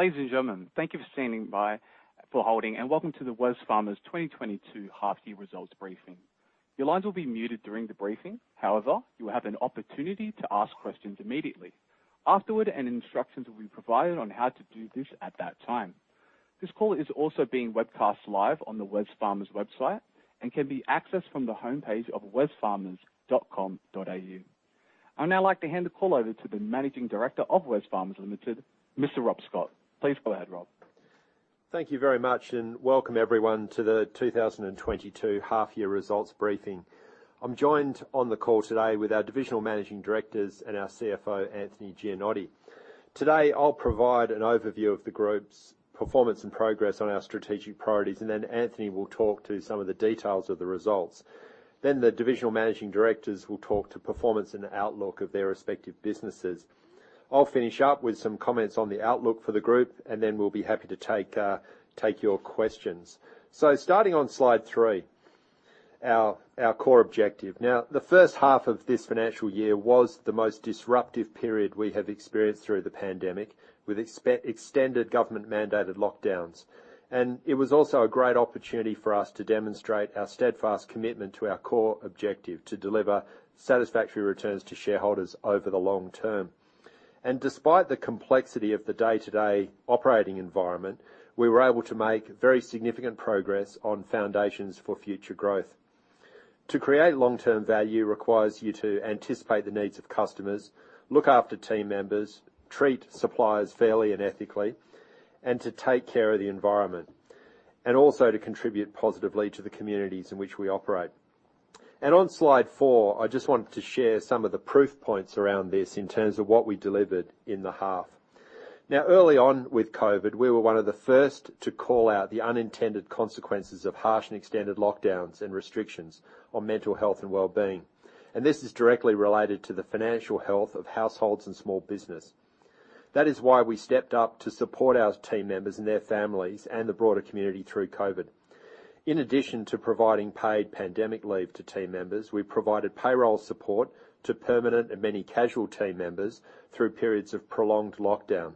Ladies and gentlemen, thank you for standing by, for holding, and welcome to the Wesfarmers 2022 Half-Year Results Briefing. Your lines will be muted during the briefing. However, you will have an opportunity to ask questions immediately afterward, and instructions will be provided on how to do this at that time. This call is also being webcast live on the Wesfarmers website and can be accessed from the homepage of wesfarmers.com.au. I'd now like to hand the call over to the Managing Director of Wesfarmers Limited, Mr. Rob Scott. Please go ahead, Rob. Thank you very much, and welcome everyone to the 2022 half-year results briefing. I'm joined on the call today with our Divisional Managing Directors and our CFO, Anthony Gianotti. Today, I'll provide an overview of the Group's performance and progress on our strategic priorities, and then Anthony will talk to some of the details of the results. Then the Divisional Managing Directors will talk to performance and outlook of their respective businesses. I'll finish up with some comments on the outlook for the Group, and then we'll be happy to take your questions. Starting on Slide three, our core objective. Now, the first half of this financial year was the most disruptive period we have experienced through the pandemic, with extended government-mandated lockdowns. It was also a great opportunity for us to demonstrate our steadfast commitment to our core objective to deliver satisfactory returns to shareholders over the long term. Despite the complexity of the day-to-day operating environment, we were able to make very significant progress on foundations for future growth. To create long-term value requires you to anticipate the needs of customers, look after team members, treat suppliers fairly and ethically, and to take care of the environment, and also to contribute positively to the communities in which we operate. On Slide four, I just wanted to share some of the proof points around this in terms of what we delivered in the half. Now, early on with COVID, we were one of the first to call out the unintended consequences of harsh and extended lockdowns and restrictions on mental health and well-being. This is directly related to the financial health of households and small business. That is why we stepped up to support our team members and their families and the broader community through COVID. In addition to providing paid pandemic leave to team members, we provided payroll support to permanent and many casual team members through periods of prolonged lockdown.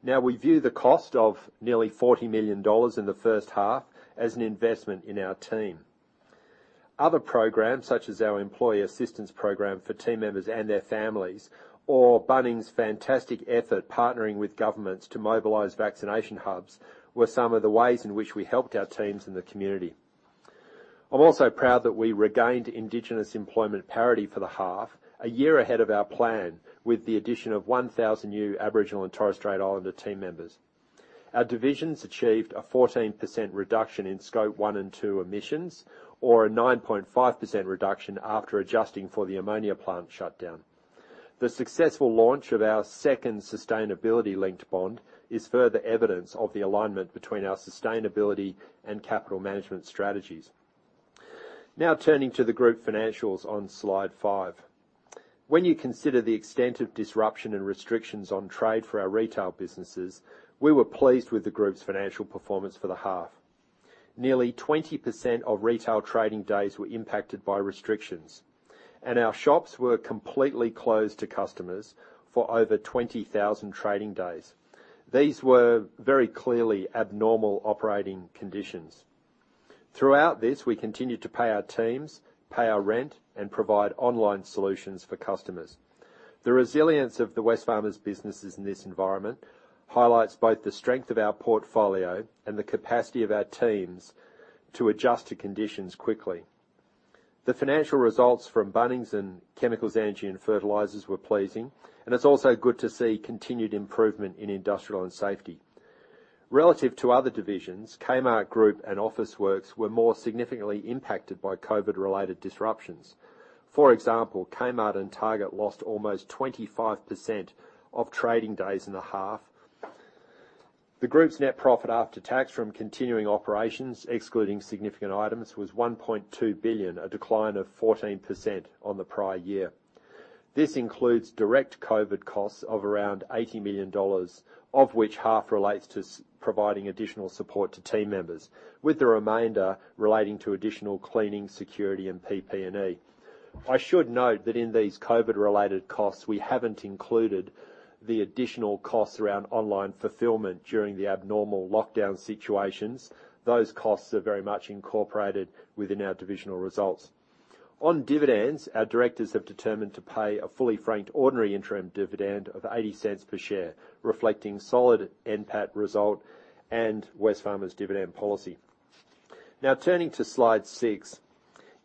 Now, we view the cost of nearly 40 million dollars in the first half as an investment in our team. Other programs, such as our Employee Assistance Program for team members and their families, or Bunnings' fantastic effort partnering with governments to mobilize vaccination hubs, were some of the ways in which we helped our teams and the community. I'm also proud that we regained Indigenous employment parity for the half, a year ahead of our plan, with the addition of 1,000 new Aboriginal and Torres Strait Islander team members. Our Divisions achieved a 14% reduction in Scope 1 and 2 emissions, or a 9.5% reduction after adjusting for the ammonia plant shutdown. The successful launch of our second sustainability-linked bond is further evidence of the alignment between our sustainability and capital management strategies. Now turning to the Group financials on Slide five. When you consider the extent of disruption and restrictions on trade for our Retail businesses, we were pleased with the Group's financial performance for the half. Nearly 20% of retail trading days were impacted by restrictions, and our shops were completely closed to customers for over 20,000 trading days. These were very clearly abnormal operating conditions. Throughout this, we continued to pay our teams, pay our rent, and provide online solutions for customers. The resilience of the Wesfarmers businesses in this environment highlights both the strength of our portfolio and the capacity of our teams to adjust to conditions quickly. The financial results from Bunnings and Chemicals, Energy and Fertilizers were pleasing, and it's also good to see continued improvement in Industrial and Safety. Relative to other divisions, Kmart Group and Officeworks were more significantly impacted by COVID-related disruptions. For example, Kmart and Target lost almost 25% of trading days in the half. The Group's net profit after tax from continuing operations, excluding significant items, was 1.2 billion, a decline of 14% on the prior year. This includes direct COVID costs of around 80 million dollars, of which half relates to providing additional support to team members, with the remainder relating to additional cleaning, security and PP&E. I should note that in these COVID-related costs, we haven't included the additional costs around online fulfillment during the abnormal lockdown situations. Those costs are very much incorporated within our divisional results. On dividends, our Directors have determined to pay a fully franked ordinary interim dividend of 0.80 per share, reflecting solid NPAT result and Wesfarmers' dividend policy. Now turning to Slide six.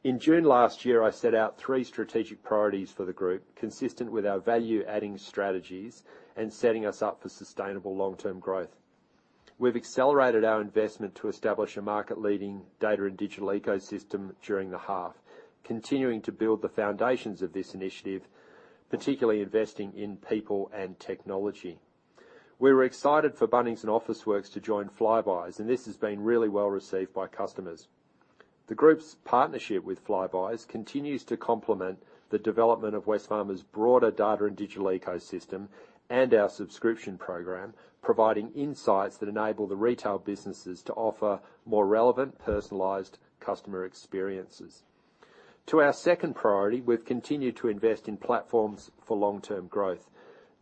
In June last year, I set out three strategic priorities for the Group, consistent with our value-adding strategies and setting us up for sustainable long-term growth. We've accelerated our investment to establish a market-leading data and digital ecosystem during the half, continuing to build the foundations of this initiative, particularly investing in people and technology. We're excited for Bunnings and Officeworks to join Flybuys, and this has been really well received by customers. The Group's partnership with Flybuys continues to complement the development of Wesfarmers' broader data and digital ecosystem and our subscription program, providing insights that enable the Retail businesses to offer more relevant, personalized customer experiences. To our second priority, we've continued to invest in platforms for long-term growth.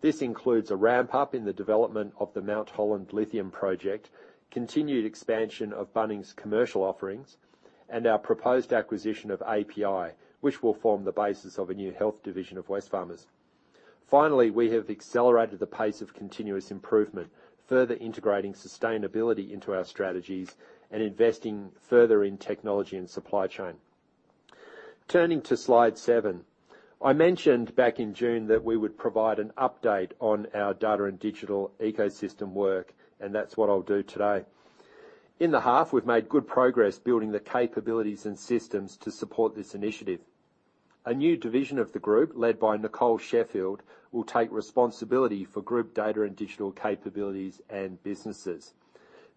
This includes a ramp-up in the development of the Mt Holland lithium project, continued expansion of Bunnings' commercial offerings, and our proposed acquisition of API, which will form the basis of a new Health Division of Wesfarmers. Finally, we have accelerated the pace of continuous improvement, further integrating sustainability into our strategies, and investing further in technology and supply chain. Turning to Slide seven. I mentioned back in June that we would provide an update on our data and digital ecosystem work, and that's what I'll do today. In the half, we've made good progress building the capabilities and systems to support this initiative. A new division of the Group, led by Nicole Sheffield, will take responsibility for Group data and digital capabilities and businesses.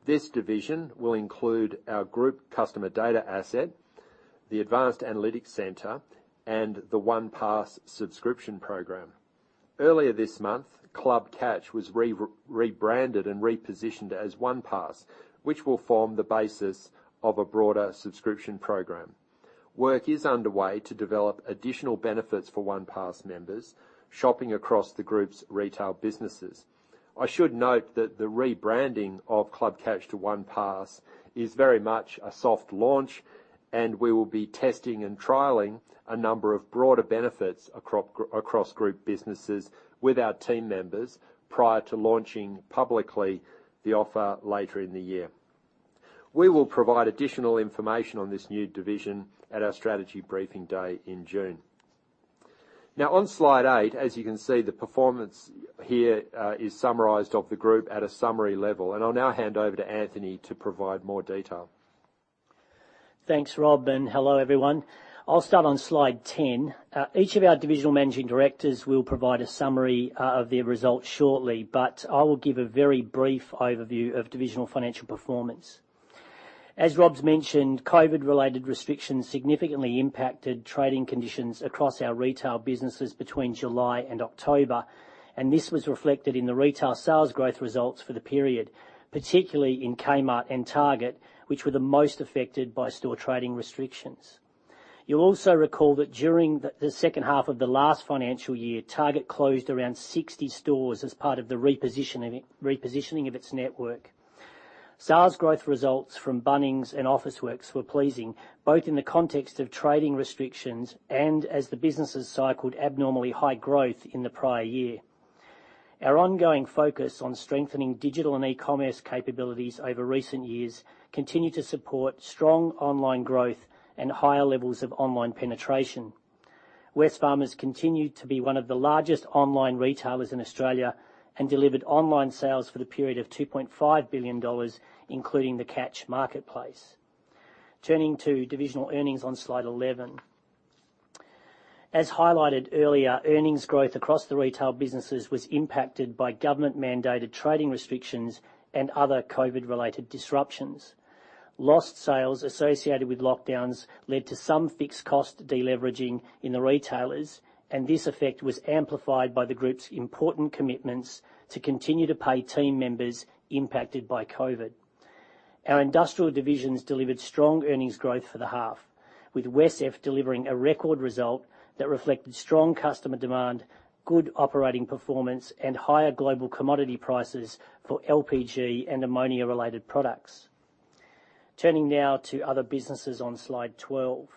This division will include our Group customer data asset, the Advanced Analytics Center, and the OnePass subscription program. Earlier this month, Club Catch was rebranded and repositioned as OnePass, which will form the basis of a broader subscription program. Work is underway to develop additional benefits for OnePass members shopping across the Group's Retail businesses. I should note that the rebranding of Club Catch to OnePass is very much a soft launch, and we will be testing and trialing a number of broader benefits across Group businesses with our team members prior to launching publicly the offer later in the year. We will provide additional information on this new division at our Strategy Briefing Day in June. Now, on Slide eight, as you can see, the performance here is summarized of the Group at a summary level, and I'll now hand over to Anthony to provide more detail. Thanks, Rob, and hello, everyone. I'll start on Slide 10. Each of our Divisional Managing Directors will provide a summary of their results shortly, but I will give a very brief overview of Divisional financial performance. As Rob's mentioned, COVID-related restrictions significantly impacted trading conditions across our Retail businesses between July and October, and this was reflected in the Retail sales growth results for the period, particularly in Kmart and Target, which were the most affected by store trading restrictions. You'll also recall that during the second half of the last financial year, Target closed around 60 stores as part of the repositioning of its network. Sales growth results from Bunnings and Officeworks were pleasing, both in the context of trading restrictions and as the businesses cycled abnormally high growth in the prior year. Our ongoing focus on strengthening digital and e-commerce capabilities over recent years continue to support strong online growth and higher levels of online penetration. Wesfarmers continued to be one of the largest online retailers in Australia and delivered online sales for the period of 2.5 billion dollars, including the Catch Marketplace. Turning to Divisional earnings on Slide 11. As highlighted earlier, earnings growth across the Retail businesses was impacted by government-mandated trading restrictions and other COVID-related disruptions. Lost sales associated with lockdowns led to some fixed cost de-leveraging in the retailers, and this effect was amplified by the Group's important commitments to continue to pay team members impacted by COVID. Our Industrial Divisions delivered strong earnings growth for the half, with WesCEF delivering a record result that reflected strong customer demand, good operating performance, and higher global commodity prices for LPG and ammonia-related products. Turning now to Other businesses on Slide 12.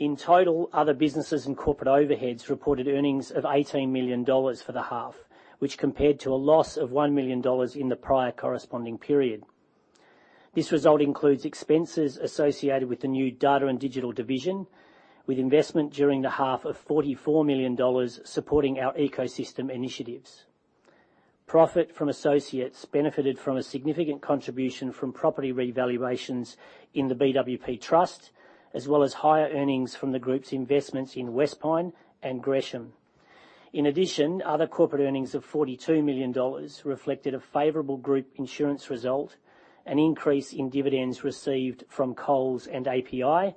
In total, Other businesses and corporate overheads reported earnings of 18 million dollars for the half, which compared to a loss of 1 million dollars in the prior corresponding period. This result includes expenses associated with the new Data and Digital Division, with investment during the half of 44 million dollars supporting our ecosystem initiatives. Profit from associates benefited from a significant contribution from property revaluations in the BWP Trust, as well as higher earnings from the Group's investments in Wespine and Gresham. In addition, other corporate earnings of 42 million dollars reflected a favorable Group insurance result, an increase in dividends received from Coles and API,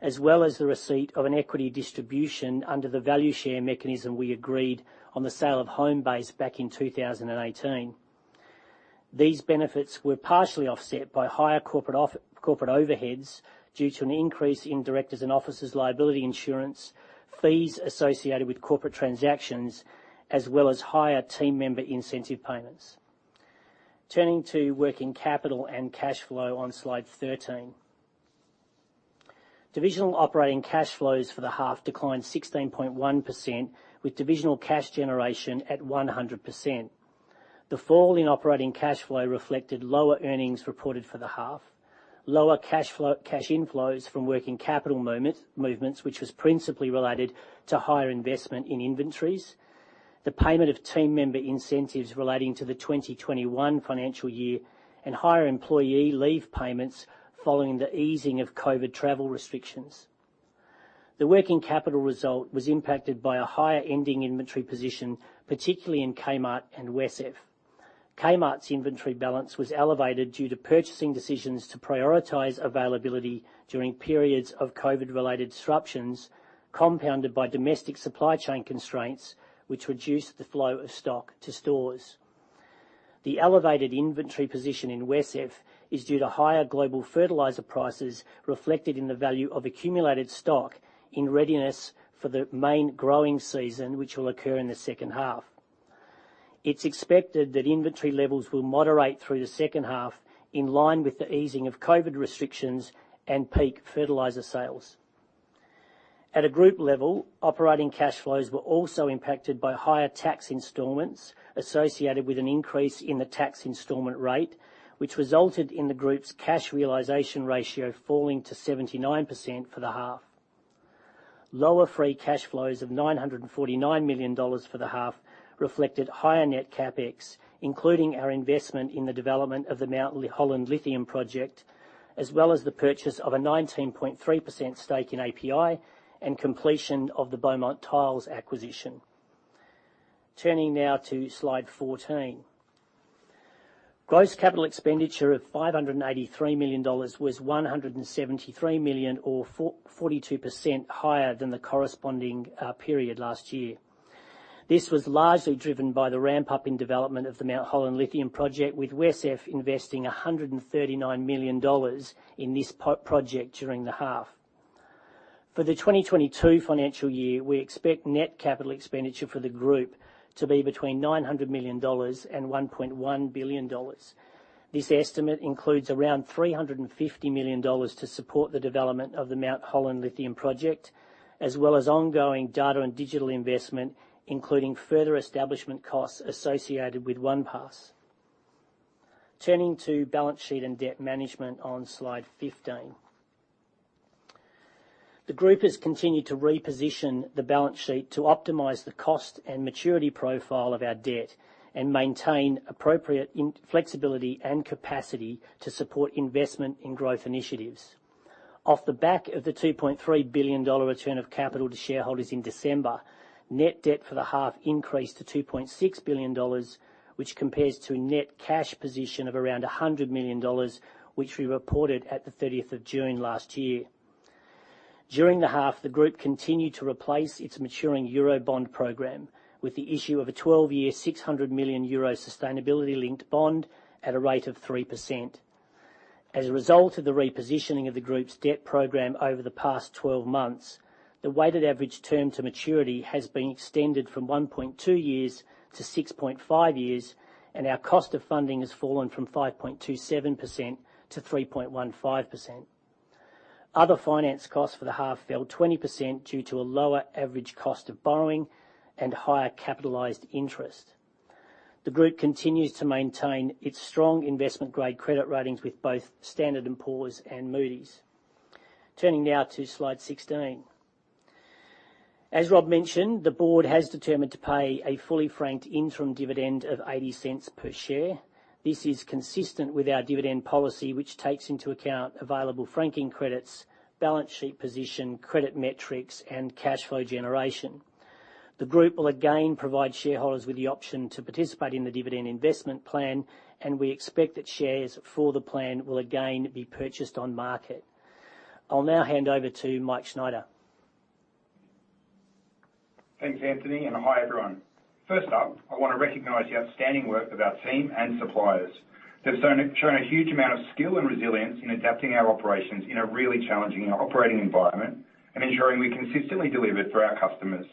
as well as the receipt of an equity distribution under the value share mechanism we agreed on the sale of Homebase back in 2018. These benefits were partially offset by higher corporate overheads due to an increase in Directors' and officers' liability insurance, fees associated with corporate transactions, as well as higher team member incentive payments. Turning to working capital and cash flow on Slide 13. Divisional operating cash flows for the half declined 16.1%, with divisional cash generation at 100%. The fall in operating cash flow reflected lower earnings reported for the half, lower cash inflows from working capital movements, which was principally related to higher investment in inventories, the payment of team member incentives relating to the 2021 financial year, and higher employee leave payments following the easing of COVID travel restrictions. The working capital result was impacted by a higher ending inventory position, particularly in Kmart and Wesfarmers. Kmart's inventory balance was elevated due to purchasing decisions to prioritize availability during periods of COVID-related disruptions, compounded by domestic supply chain constraints, which reduced the flow of stock to stores. The elevated inventory position in WesCEF is due to higher global fertilizer prices reflected in the value of accumulated stock in readiness for the main growing season, which will occur in the second half. It's expected that inventory levels will moderate through the second half, in line with the easing of COVID restrictions and peak fertilizer sales. At a Group level, operating cash flows were also impacted by higher tax installments associated with an increase in the tax installment rate, which resulted in the Group's cash realization ratio falling to 79% for the half. Lower free cash flows of 949 million dollars for the half reflected higher net CapEx, including our investment in the development of the Mt Holland lithium project, as well as the purchase of a 19.3% stake in API, and completion of the Beaumont Tiles acquisition. Turning now to Slide 14. Gross capital expenditure of 583 million dollars was 173 million, or 42% higher than the corresponding period last year. This was largely driven by the ramp-up in development of the Mt Holland lithium project, with WesCEF investing 139 million dollars in this project during the half. For the 2022 financial year, we expect net capital expenditure for the Group to be between 900 million dollars and 1.1 billion dollars. This estimate includes around 350 million dollars to support the development of the Mt Holland lithium project, as well as ongoing data and digital investment, including further establishment costs associated with OnePass. Turning to balance sheet and debt management on Slide 15. The Group has continued to reposition the balance sheet to optimize the cost and maturity profile of our debt and maintain appropriate inflexibility and capacity to support investment in growth initiatives. Off the back of the 2.3 billion dollar return of capital to shareholders in December, net debt for the half increased to 2.6 billion dollars, which compares to a net cash position of around 100 million dollars, which we reported at the June 30th last year. During the half, the Group continued to replace its maturing Eurobond program with the issue of a 12-year, 600 million euro sustainability-linked bond at a rate of 3%. As a result of the repositioning of the Group's debt program over the past 12 months, the weighted average term to maturity has been extended from 1.2 years to 6.5 years, and our cost of funding has fallen from 5.27% to 3.15%. Other finance costs for the half fell 20% due to a lower average cost of borrowing and higher capitalized interest. The Group continues to maintain its strong investment-grade credit ratings with both Standard & Poor's and Moody's. Turning now to Slide 16. As Rob mentioned, the Board has determined to pay a fully franked interim dividend of 0.80 per share. This is consistent with our dividend policy, which takes into account available franking credits, balance sheet position, credit metrics, and cash flow generation. The Group will again provide shareholders with the option to participate in the dividend investment plan, and we expect that shares for the plan will again be purchased on market. I'll now hand over to Mike Schneider. Thanks, Anthony, and hi, everyone. First up, I wanna recognize the outstanding work of our team and suppliers. They've shown a huge amount of skill and resilience in adapting our operations in a really challenging operating environment and ensuring we consistently deliver for our customers.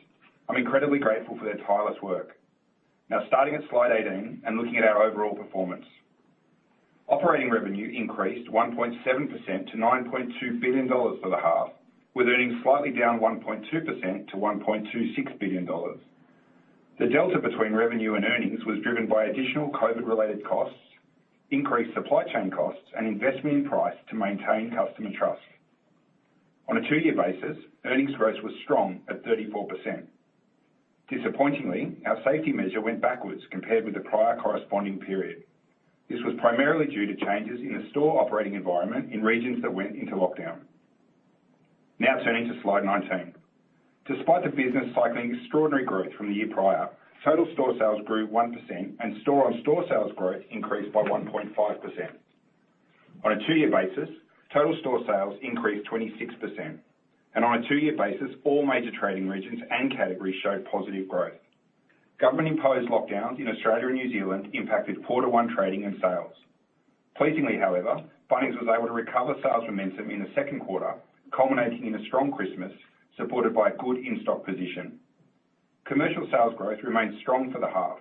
I'm incredibly grateful for their tireless work. Now, starting at Slide 18 and looking at our overall performance. Operating revenue increased 1.7% to 9.2 billion dollars for the half, with earnings slightly down 1.2% to 1.26 billion dollars. The delta between revenue and earnings was driven by additional COVID-related costs, increased supply chain costs, and investment in price to maintain customer trust. On a two-year basis, earnings growth was strong at 34%. Disappointingly, our safety measure went backwards compared with the prior corresponding period. This was primarily due to changes in the store operating environment in regions that went into lockdown. Now turning to Slide 19. Despite the business cycling extraordinary growth from the year prior, total store sales grew 1%, and store-on-store sales growth increased by 1.5%. On a two-year basis, total store sales increased 26%, and on a two-year basis, all major trading regions and categories showed positive growth. Government-imposed lockdowns in Australia and New Zealand impacted quarter one trading and sales. Pleasingly, however, Bunnings was able to recover sales momentum in the second quarter, culminating in a strong Christmas, supported by a good in-stock position. Commercial sales growth remained strong for the half,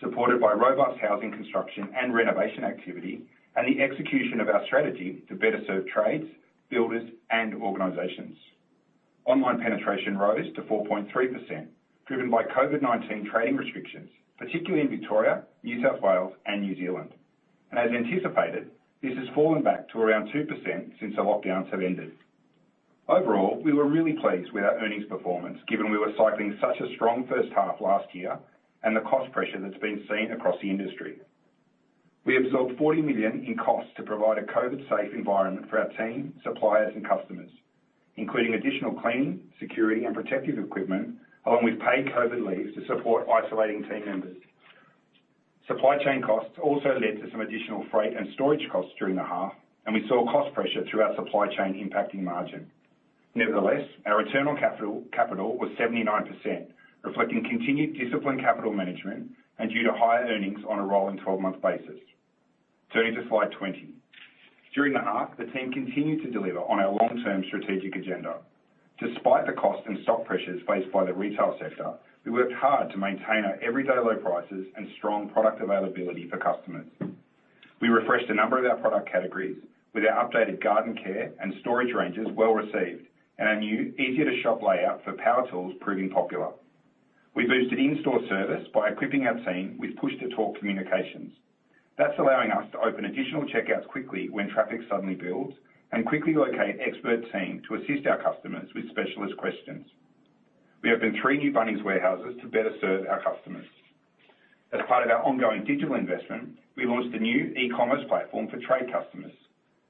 supported by robust housing construction and renovation activity, and the execution of our strategy to better serve trades, builders, and organizations. Online penetration rose to 4.3%, driven by COVID-19 trading restrictions, particularly in Victoria, New South Wales, and New Zealand. As anticipated, this has fallen back to around 2% since the lockdowns have ended. Overall, we were really pleased with our earnings performance, given we were cycling such a strong first half last year, and the cost pressure that's been seen across the industry. We absorbed 40 million in costs to provide a COVID-safe environment for our team, suppliers, and customers, including additional cleaning, security, and protective equipment, along with paid COVID leaves to support isolating team members. Supply chain costs also led to some additional freight and storage costs during the half, and we saw cost pressure through our supply chain impacting margin. Nevertheless, our return on capital was 79%, reflecting continued disciplined capital management and due to higher earnings on a rolling 12-month basis. Turning to Slide 20. During the half, the team continued to deliver on our long-term strategic agenda. Despite the cost and stock pressures faced by the retail sector, we worked hard to maintain our everyday low prices and strong product availability for customers. We refreshed a number of our product categories with our updated garden care and storage ranges well received, and our new easier to shop layout for power tools proving popular. We boosted in-store service by equipping our team with push-to-talk communications. That's allowing us to open additional checkouts quickly when traffic suddenly builds and quickly locate expert team to assist our customers with specialist questions. We opened three new Bunnings warehouses to better serve our customers. As part of our ongoing digital investment, we launched a new e-commerce platform for trade customers.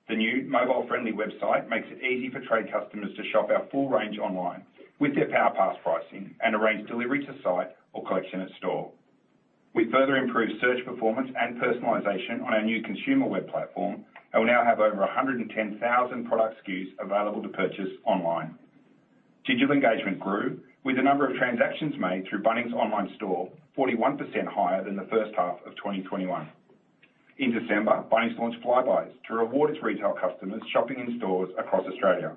The new mobile-friendly website makes it easy for trade customers to shop our full range online with their PowerPass pricing and arrange delivery to site or collection at store. We further improved search performance and personalization on our new consumer web platform, and we now have over 110,000 product SKUs available to purchase online. Digital engagement grew with the number of transactions made through Bunnings online store 41% higher than the first half of 2021. In December, Bunnings launched Flybuys to reward its retail customers shopping in stores across Australia.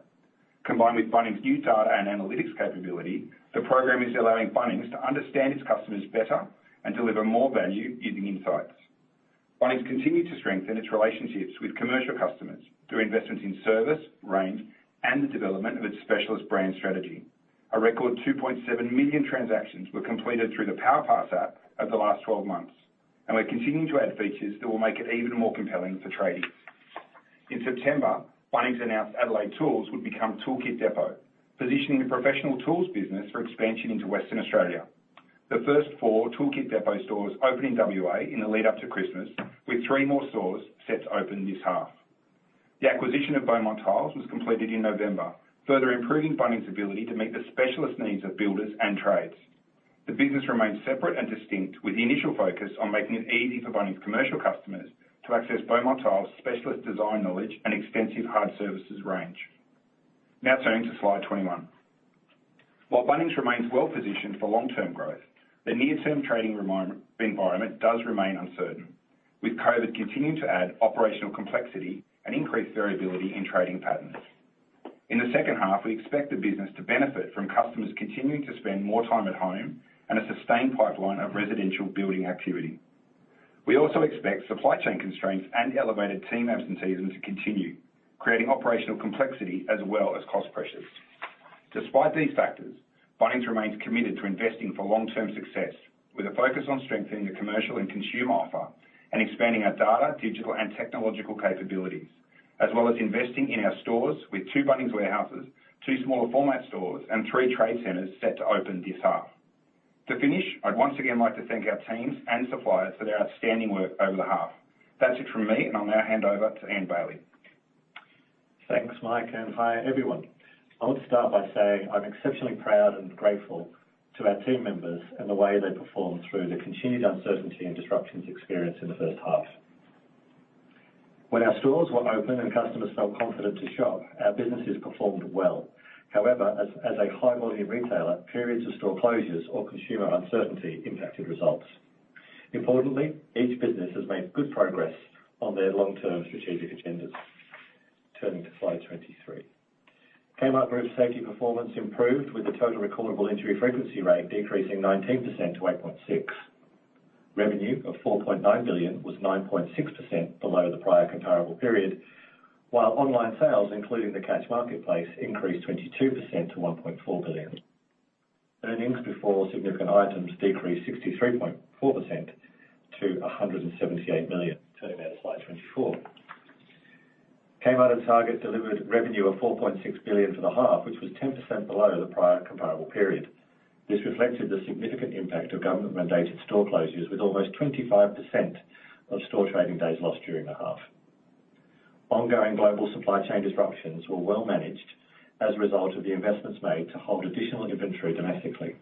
Combined with Bunnings' new data and analytics capability, the program is allowing Bunnings to understand its customers better and deliver more value using insights. Bunnings continued to strengthen its relationships with commercial customers through investments in service, range, and the development of its specialist brand strategy. A record 2.7 million transactions were completed through the PowerPass app over the last 12 months, and we're continuing to add features that will make it even more compelling for tradies. In September, Bunnings announced Adelaide Tools would become Tool Kit Depot, positioning the professional tools business for expansion into Western Australia. The first four Tool Kit Depot stores opened in WA in the lead up to Christmas, with three more stores set to open this half. The acquisition of Beaumont Tiles was completed in November, further improving Bunnings' ability to meet the specialist needs of builders and trades. The business remains separate and distinct, with the initial focus on making it easy for Bunnings commercial customers to access Beaumont Tiles' specialist design knowledge and extensive hard services range. Now turning to Slide 21. While Bunnings remains well-positioned for long-term growth, the near-term trading environment does remain uncertain, with COVID continuing to add operational complexity and increased variability in trading patterns. In the second half, we expect the business to benefit from customers continuing to spend more time at home and a sustained pipeline of residential building activity. We also expect supply chain constraints and elevated team absentees to continue, creating operational complexity as well as cost pressures. Despite these factors, Bunnings remains committed to investing for long-term success, with a focus on strengthening the commercial and consumer offer and expanding our data, digital, and technological capabilities, as well as investing in our stores with two Bunnings warehouses, two smaller format stores, and three trade centers set to open this half. To finish, I'd once again like to thank our teams and suppliers for their outstanding work over the half. That's it from me, and I'll now hand over to Ian Bailey. Thanks, Mike, and hi, everyone. I want to start by saying I'm exceptionally proud and grateful to our team members and the way they performed through the continued uncertainty and disruptions experienced in the first half. When our stores were open and customers felt confident to shop, our businesses performed well. However, as a high-volume retailer, periods of store closures or consumer uncertainty impacted results. Importantly, each business has made good progress on their long-term strategic agendas. Turning to Slide 23. Kmart Group safety performance improved, with the total recordable injury frequency rate decreasing 19% to 8.6%. Revenue of 4.9 billion was 9.6% below the prior comparable period, while online sales, including the Catch Marketplace, increased 22% to 1.4 billion. Earnings before significant items decreased 63.4% to AUD 178 million. Turning now to Slide 24. Kmart and Target delivered revenue of 4.6 billion for the half, which was 10% below the prior comparable period. This reflected the significant impact of government-mandated store closures, with almost 25% of store trading days lost during the half. Ongoing global supply chain disruptions were well managed as a result of the investments made to hold additional inventory domestically.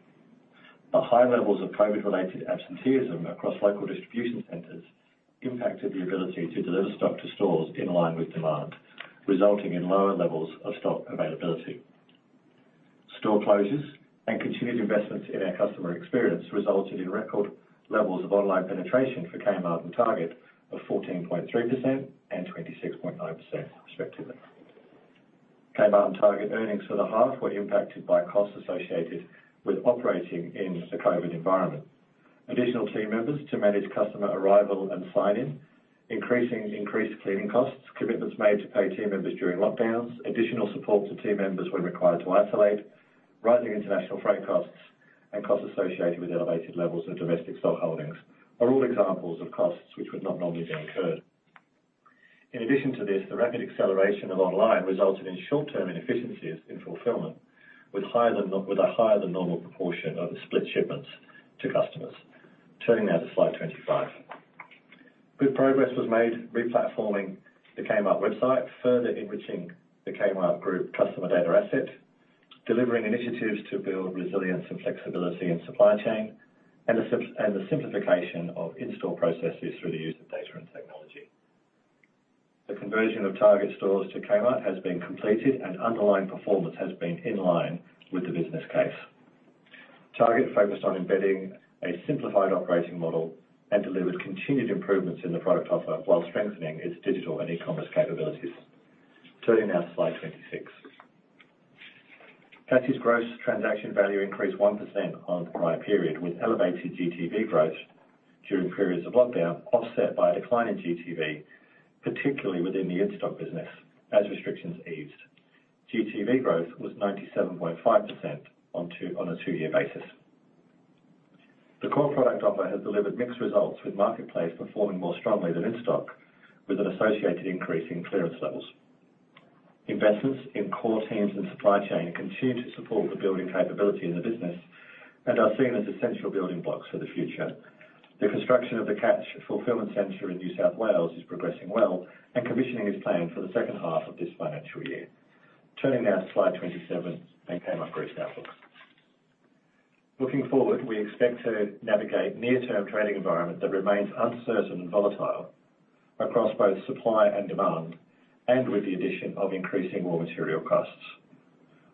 High levels of COVID-related absenteeism across local distribution centers impacted the ability to deliver stock to stores in line with demand, resulting in lower levels of stock availability. Store closures and continued investments in our customer experience resulted in record levels of online penetration for Kmart and Target of 14.3% and 26.9% respectively. Kmart and Target earnings for the half were impacted by costs associated with operating in the COVID environment. Additional team members to manage customer arrival and sign-in, increased cleaning costs, commitments made to pay team members during lockdowns, additional support for team members when required to isolate, rising international freight costs, and costs associated with elevated levels of domestic stock holdings are all examples of costs which would not normally be incurred. In addition to this, the rapid acceleration of online resulted in short-term inefficiencies in fulfillment, with a higher than normal proportion of split shipments to customers. Turning now to Slide 25. Good progress was made re-platforming the Kmart website, further enriching the Kmart Group customer data asset, delivering initiatives to build resilience and flexibility in supply chain, and the simplification of in-store processes through the use of data and technology. The conversion of Target stores to Kmart has been completed and underlying performance has been in line with the business case. Target focused on embedding a simplified operating model and delivered continued improvements in the product offer while strengthening its digital and e-commerce capabilities. Turning now to Slide 26. Catch's gross transaction value increased 1% on the prior period, with elevated GTV growth during periods of lockdown offset by a decline in GTV, particularly within the In-Stock business, as restrictions eased. GTV growth was 97.5% on a two-year basis. The core product offer has delivered mixed results, with Marketplace performing more strongly than in-stock, with an associated increase in clearance levels. Investments in core teams and supply chain continue to support the building capability in the business and are seen as essential building blocks for the future. The construction of the Catch fulfillment center in New South Wales is progressing well, and commissioning is planned for the second half of this financial year. Turning now to Slide 27 and Kmart Group's outlook. Looking forward, we expect to navigate near-term trading environment that remains uncertain and volatile across both supply and demand, and with the addition of increasing raw material costs.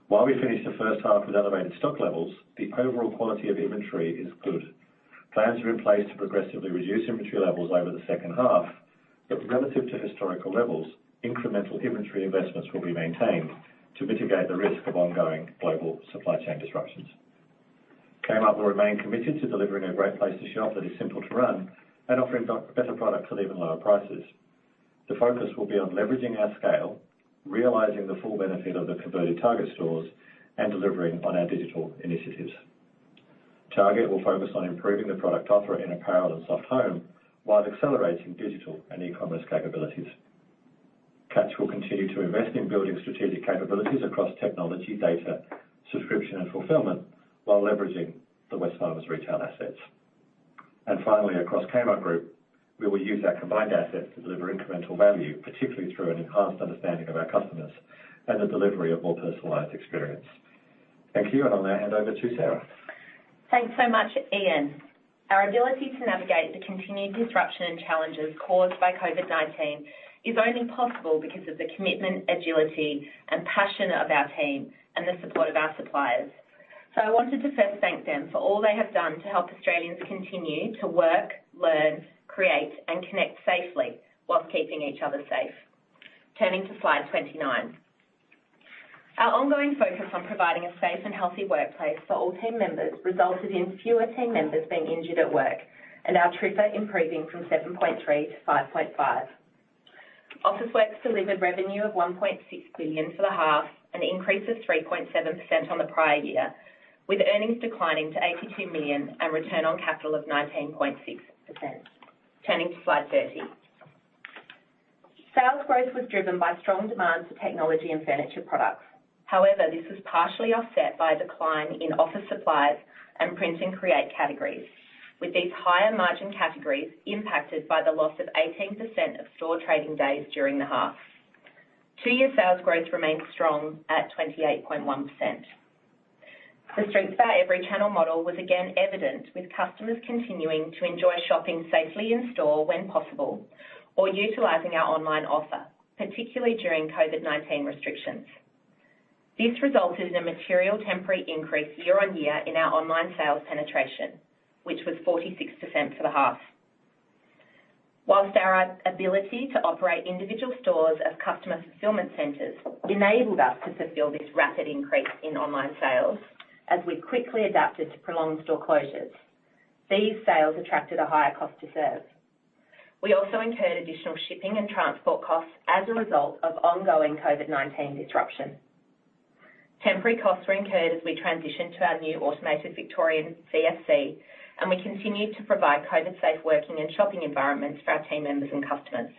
While we finish the first half with elevated stock levels, the overall quality of inventory is good. Plans are in place to progressively reduce inventory levels over the second half, but relative to historical levels, incremental inventory investments will be maintained to mitigate the risk of ongoing global supply chain disruptions. Kmart will remain committed to delivering a great place to shop that is simple to run and offering better products at even lower prices. The focus will be on leveraging our scale, realizing the full benefit of the converted Target stores, and delivering on our digital initiatives. Target will focus on improving the product offer in apparel and soft home while accelerating digital and e-commerce capabilities. Catch will continue to invest in building strategic capabilities across technology, data, subscription, and fulfillment while leveraging the Wesfarmers retail assets. Finally, across Kmart Group, we will use our combined assets to deliver incremental value, particularly through an enhanced understanding of our customers and the delivery of more personalized experience. Thank you, and I'll now hand over to Sarah. Thanks so much, Ian. Our ability to navigate the continued disruption and challenges caused by COVID-19 is only possible because of the commitment, agility, and passion of our team and the support of our suppliers. I wanted to first thank them for all they have done to help Australians continue to work, learn, create, and connect safely while keeping each other safe. Turning to Slide 29. Our ongoing focus on providing a safe and healthy workplace for all team members resulted in fewer team members being injured at work and our TRIFR improving from 7.3 to 5.5. Officeworks delivered revenue of 1.6 billion for the half, an increase of 3.7% on the prior year, with earnings declining to 82 million and return on capital of 19.6%. Turning to Slide 30. Sales growth was driven by strong demand for technology and furniture products. However, this was partially offset by a decline in Office Supplies and Print & Create categories, with these higher-margin categories impacted by the loss of 18% of store trading days during the half. Two-year sales growth remains strong at 28.1%. The strength of our omnichannel model was again evident, with customers continuing to enjoy shopping safely in store when possible or utilizing our online offer, particularly during COVID-19 restrictions. This resulted in a material temporary increase year-on-year in our online sales penetration, which was 46% for the half. While our ability to operate individual stores as customer fulfillment centers enabled us to fulfill this rapid increase in online sales as we quickly adapted to prolonged store closures, these sales attracted a higher cost to serve. We also incurred additional shipping and transport costs as a result of ongoing COVID-19 disruption. Temporary costs were incurred as we transitioned to our new automated Victorian CFC, and we continued to provide COVID-safe working and shopping environments for our team members and customers.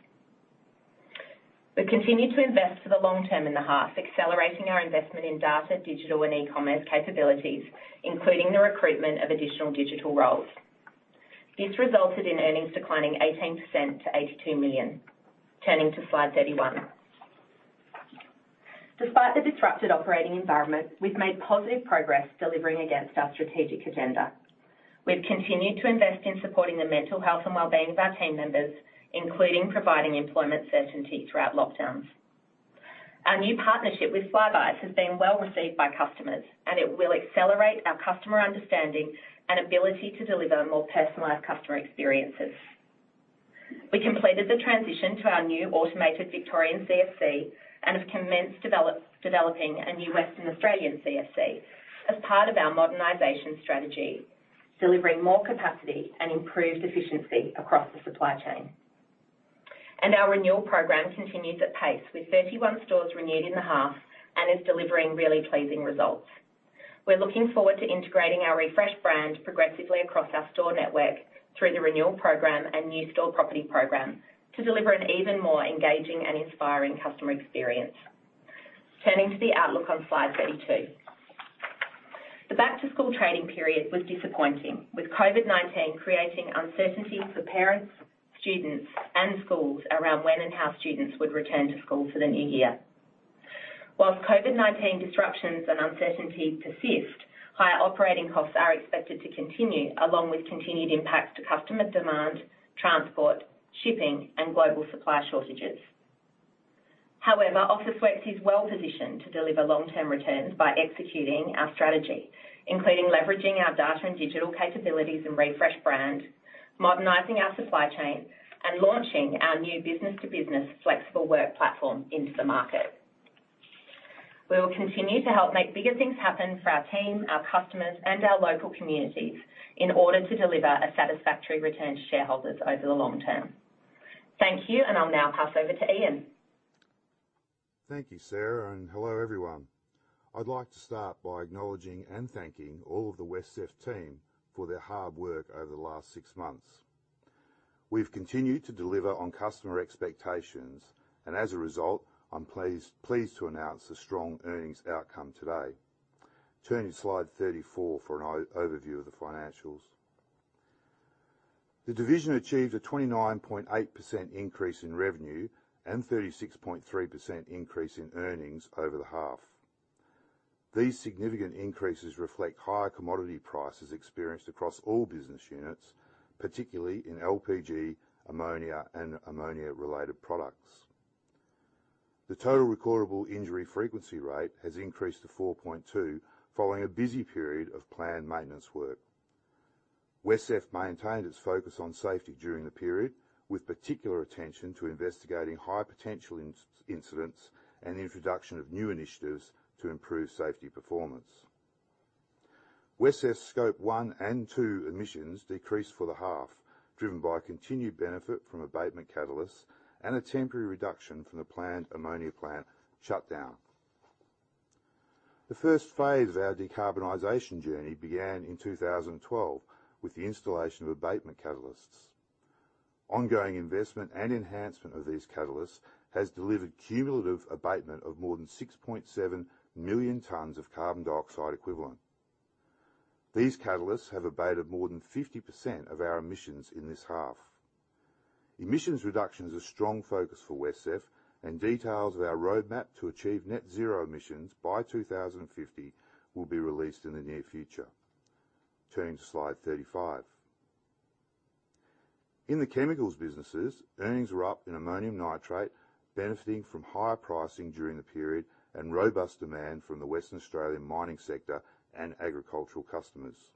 We continued to invest for the long term in the half, accelerating our investment in data, digital, and e-commerce capabilities, including the recruitment of additional digital roles. This resulted in earnings declining 18% to 82 million. Turning to Slide 31. Despite the disrupted operating environment, we've made positive progress delivering against our strategic agenda. We've continued to invest in supporting the mental health and wellbeing of our team members, including providing employment certainty throughout lockdowns. Our new partnership with Flybuys has been well-received by customers, and it will accelerate our customer understanding and ability to deliver more personalized customer experiences. We completed the transition to our new automated Victorian CFC and have commenced developing a new Western Australian CFC as part of our modernization strategy, delivering more capacity and improved efficiency across the supply chain. Our renewal program continues at pace, with 31 stores renewed in the half and is delivering really pleasing results. We're looking forward to integrating our refreshed brand progressively across our store network through the renewal program and new store property program to deliver an even more engaging and inspiring customer experience. Turning to the outlook on Slide 32. The back-to-school trading period was disappointing, with COVID-19 creating uncertainty for parents, students, and schools around when and how students would return to school for the new year. While COVID-19 disruptions and uncertainty persist, higher operating costs are expected to continue, along with continued impacts to customer demand, transport, shipping, and global supply shortages. However, Officeworks is well-positioned to deliver long-term returns by executing our strategy, including leveraging our data and digital capabilities and refresh brand, modernizing our supply chain, and launching our new business-to-business flexible work platform into the market. We will continue to help make bigger things happen for our team, our customers, and our local communities in order to deliver a satisfactory return to shareholders over the long term. Thank you, and I'll now pass over to Ian. Thank you, Sarah, and hello, everyone. I'd like to start by acknowledging and thanking all of the WesCEF team for their hard work over the last six months. We've continued to deliver on customer expectations, and as a result, I'm pleased to announce a strong earnings outcome today. Turning to Slide 34 for an overview of the financials. The division achieved a 29.8% increase in revenue and 36.3% increase in earnings over the half. These significant increases reflect higher commodity prices experienced across all business units, particularly in LPG, ammonia, and ammonia-related products. The total recordable injury frequency rate has increased to 4.2 following a busy period of planned maintenance work. WesCEF maintained its focus on safety during the period, with particular attention to investigating high potential incidents and the introduction of new initiatives to improve safety performance. WesCEF Scope 1 and 2 emissions decreased for the half, driven by continued benefit from abatement catalysts and a temporary reduction from the planned ammonia plant shutdown. The first phase of our decarbonization journey began in 2012 with the installation of abatement catalysts. Ongoing investment and enhancement of these catalysts has delivered cumulative abatement of more than 6.7 million tons of carbon dioxide equivalent. These catalysts have abated more than 50% of our emissions in this half. Emissions reduction is a strong focus for WesCEF, and details of our roadmap to achieve net zero emissions by 2050 will be released in the near future. Turning to Slide 35. In the Chemicals businesses, earnings were up in ammonium nitrate, benefiting from higher pricing during the period and robust demand from the Western Australian mining sector and agricultural customers.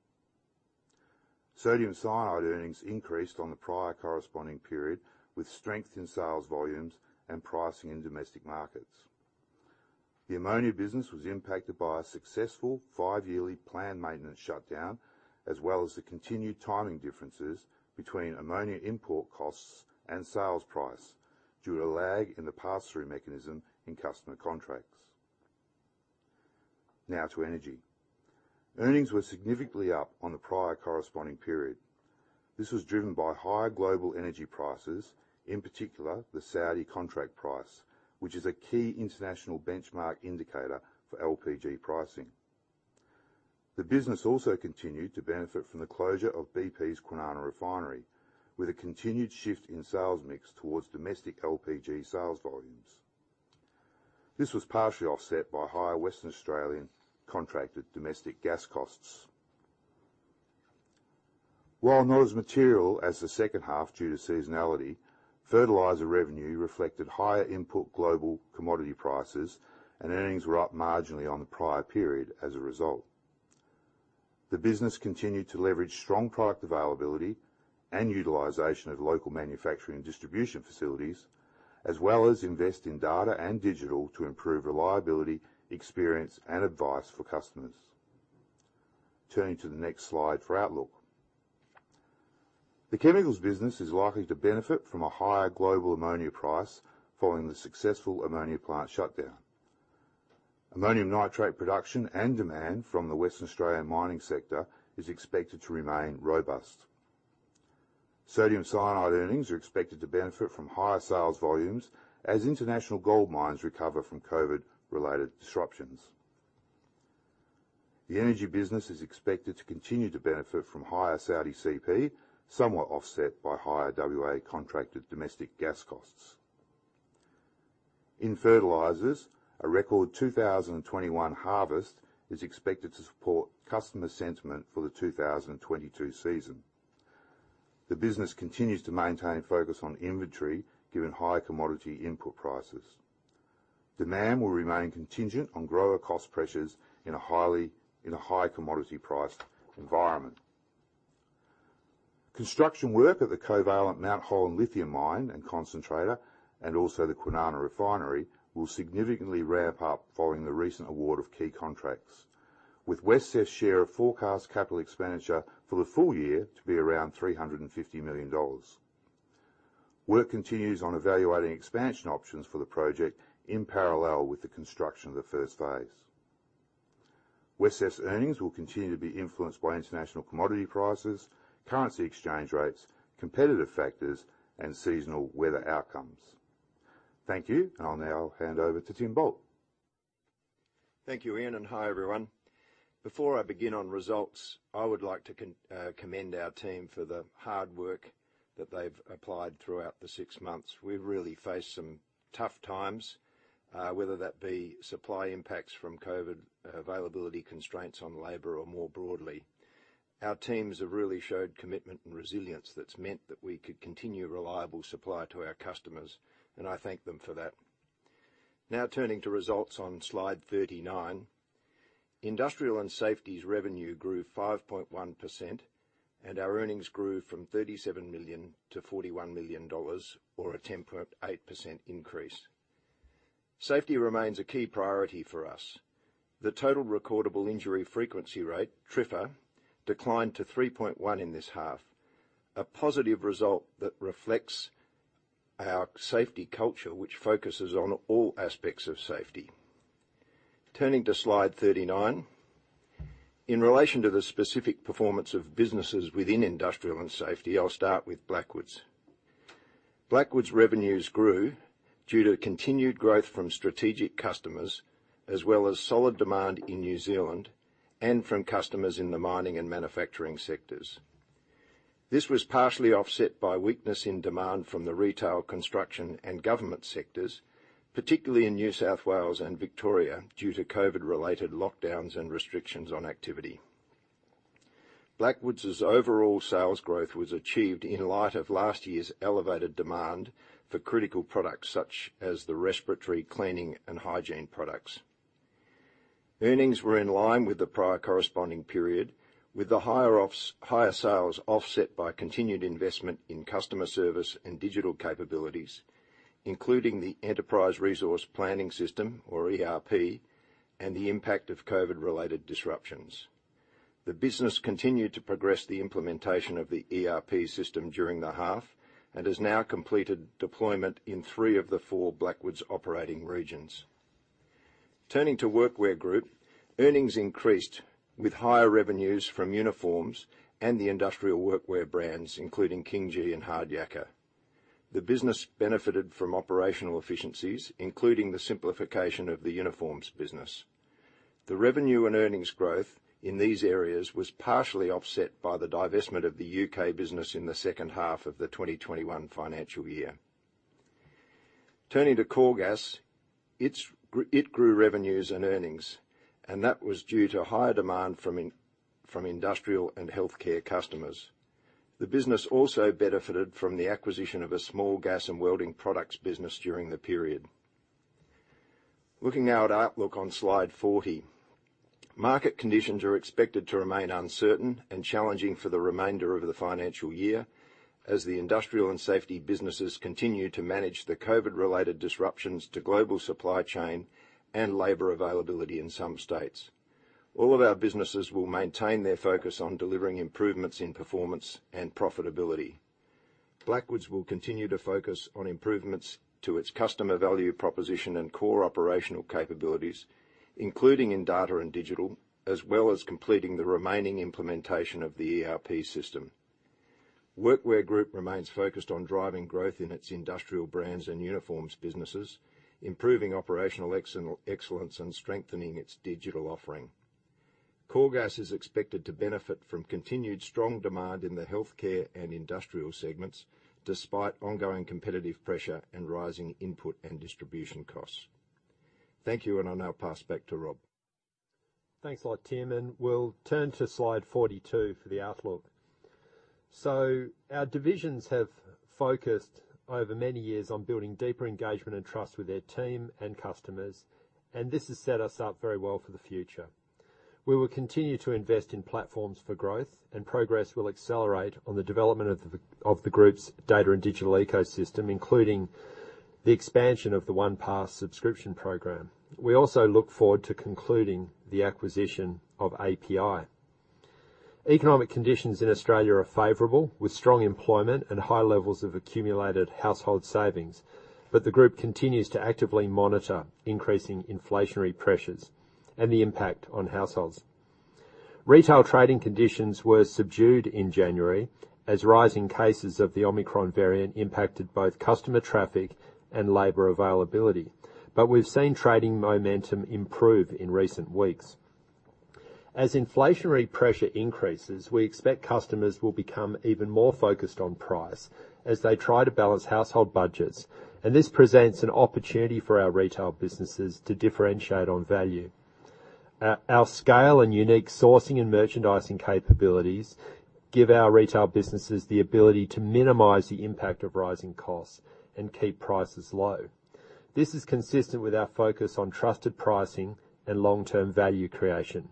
Sodium cyanide earnings increased on the prior corresponding period, with strength in sales volumes and pricing in domestic markets. The Ammonia business was impacted by a successful five-yearly planned maintenance shutdown, as well as the continued timing differences between ammonia import costs and sales price due to lag in the pass-through mechanism in customer contracts. Now to Energy. Earnings were significantly up on the prior corresponding period. This was driven by higher global energy prices, in particular the Saudi contract price, which is a key international benchmark indicator for LPG pricing. The business also continued to benefit from the closure of BP's Kwinana Refinery, with a continued shift in sales mix towards domestic LPG sales volumes. This was partially offset by higher Western Australian contracted domestic gas costs. While not as material as the second half due to seasonality, Fertilizer revenue reflected higher input global commodity prices and earnings were up marginally on the prior period as a result. The business continued to leverage strong product availability and utilization of local manufacturing and distribution facilities, as well as invest in data and digital to improve reliability, experience, and advice for customers. Turning to the next slide for outlook. The Chemicals business is likely to benefit from a higher global ammonia price following the successful ammonia plant shutdown. Ammonium nitrate production and demand from the Western Australian mining sector is expected to remain robust. Sodium cyanide earnings are expected to benefit from higher sales volumes as international gold mines recover from COVID-related disruptions. The energy business is expected to continue to benefit from higher Saudi CP, somewhat offset by higher WA contracted domestic gas costs. In Fertilizers, a record 2021 harvest is expected to support customer sentiment for the 2022 season. The business continues to maintain focus on inventory, given high commodity input prices. Demand will remain contingent on grower cost pressures in a high commodity price environment. Construction work at the Covalent Mt Holland lithium mine and concentrator and also the Kwinana Refinery will significantly ramp up following the recent award of key contracts, with WesCEF's share of forecast capital expenditure for the full year to be around 350 million dollars. Work continues on evaluating expansion options for the project in parallel with the construction of the first phase. WesCEF's earnings will continue to be influenced by international commodity prices, currency exchange rates, competitive factors, and seasonal weather outcomes. Thank you, and I'll now hand over to Tim Bult. Thank you, Ian, and hi, everyone. Before I begin on results, I would like to commend our team for the hard work that they've applied throughout the six months. We really faced some tough times, whether that be supply impacts from COVID, availability constraints on labor or more broadly. Our teams have really showed commitment and resilience that's meant that we could continue reliable supply to our customers, and I thank them for that. Now turning to results on Slide 39. Industrial and Safety's revenue grew 5.1%, and our earnings grew from AUD 37 million to AUD 41 million, or a 10.8% increase. Safety remains a key priority for us. The total recordable injury frequency rate, TRIFR, declined to 3.1 in this half, a positive result that reflects our safety culture, which focuses on all aspects of safety. Turning to Slide 39. In relation to the specific performance of businesses within Industrial and Safety, I'll start with Blackwoods. Blackwoods' revenues grew due to continued growth from strategic customers, as well as solid demand in New Zealand and from customers in the mining and manufacturing sectors. This was partially offset by weakness in demand from the retail, construction, and government sectors, particularly in New South Wales and Victoria, due to COVID-related lockdowns and restrictions on activity. Blackwoods' overall sales growth was achieved in light of last year's elevated demand for critical products, such as the respiratory, cleaning, and hygiene products. Earnings were in line with the prior corresponding period, with the higher sales offset by continued investment in customer service and digital capabilities, including the enterprise resource planning system, or ERP, and the impact of COVID-related disruptions. The business continued to progress the implementation of the ERP system during the half and has now completed deployment in three of the four Blackwoods operating regions. Turning to Workwear Group, earnings increased with higher revenues from uniforms and the industrial workwear brands, including King Gee and Hard Yakka. The business benefited from operational efficiencies, including the simplification of the Uniforms business. The revenue and earnings growth in these areas was partially offset by the divestment of the U.K. business in the second half of the 2021 financial year. Turning to Coregas, it grew revenues and earnings, and that was due to higher demand from industrial and healthcare customers. The business also benefited from the acquisition of a Small Gas and Welding Products business during the period. Looking now at outlook on Slide 40. Market conditions are expected to remain uncertain and challenging for the remainder of the financial year as the Industrial and Safety businesses continue to manage the COVID-related disruptions to global supply chain and labor availability in some states. All of our businesses will maintain their focus on delivering improvements in performance and profitability. Blackwoods will continue to focus on improvements to its customer value proposition and core operational capabilities, including in data and digital, as well as completing the remaining implementation of the ERP system. Workwear Group remains focused on driving growth in its Industrial Brands and Uniforms businesses, improving operational excellence, and strengthening its digital offering. Coregas is expected to benefit from continued strong demand in the Healthcare and Industrial segments, despite ongoing competitive pressure and rising input and distribution costs. Thank you, and I'll now pass back to Rob. Thanks a lot, Tim, and we'll turn to Slide 42 for the outlook. Our divisions have focused over many years on building deeper engagement and trust with their team and customers, and this has set us up very well for the future. We will continue to invest in platforms for growth and progress will accelerate on the development of the Group's data and digital ecosystem, including the expansion of the OnePass subscription program. We also look forward to concluding the acquisition of API. Economic conditions in Australia are favorable, with strong employment ad high levels of accumulated household savings, but the Group continues to actively monitor increasing inflationary pressures and the impact on households. Retail trading conditions were subdued in January as rising cases of the Omicron variant impacted both customer traffic and labor availability, but we've seen trading momentum improve in recent weeks. As inflationary pressure increases, we expect customers will become even more focused on price as they try to balance household budgets, and this presents an opportunity for our Retail businesses to differentiate on value. Our scale and unique sourcing and merchandising capabilities give our Retail businesses the ability to minimize the impact of rising costs and keep prices low. This is consistent with our focus on trusted pricing and long-term value creation.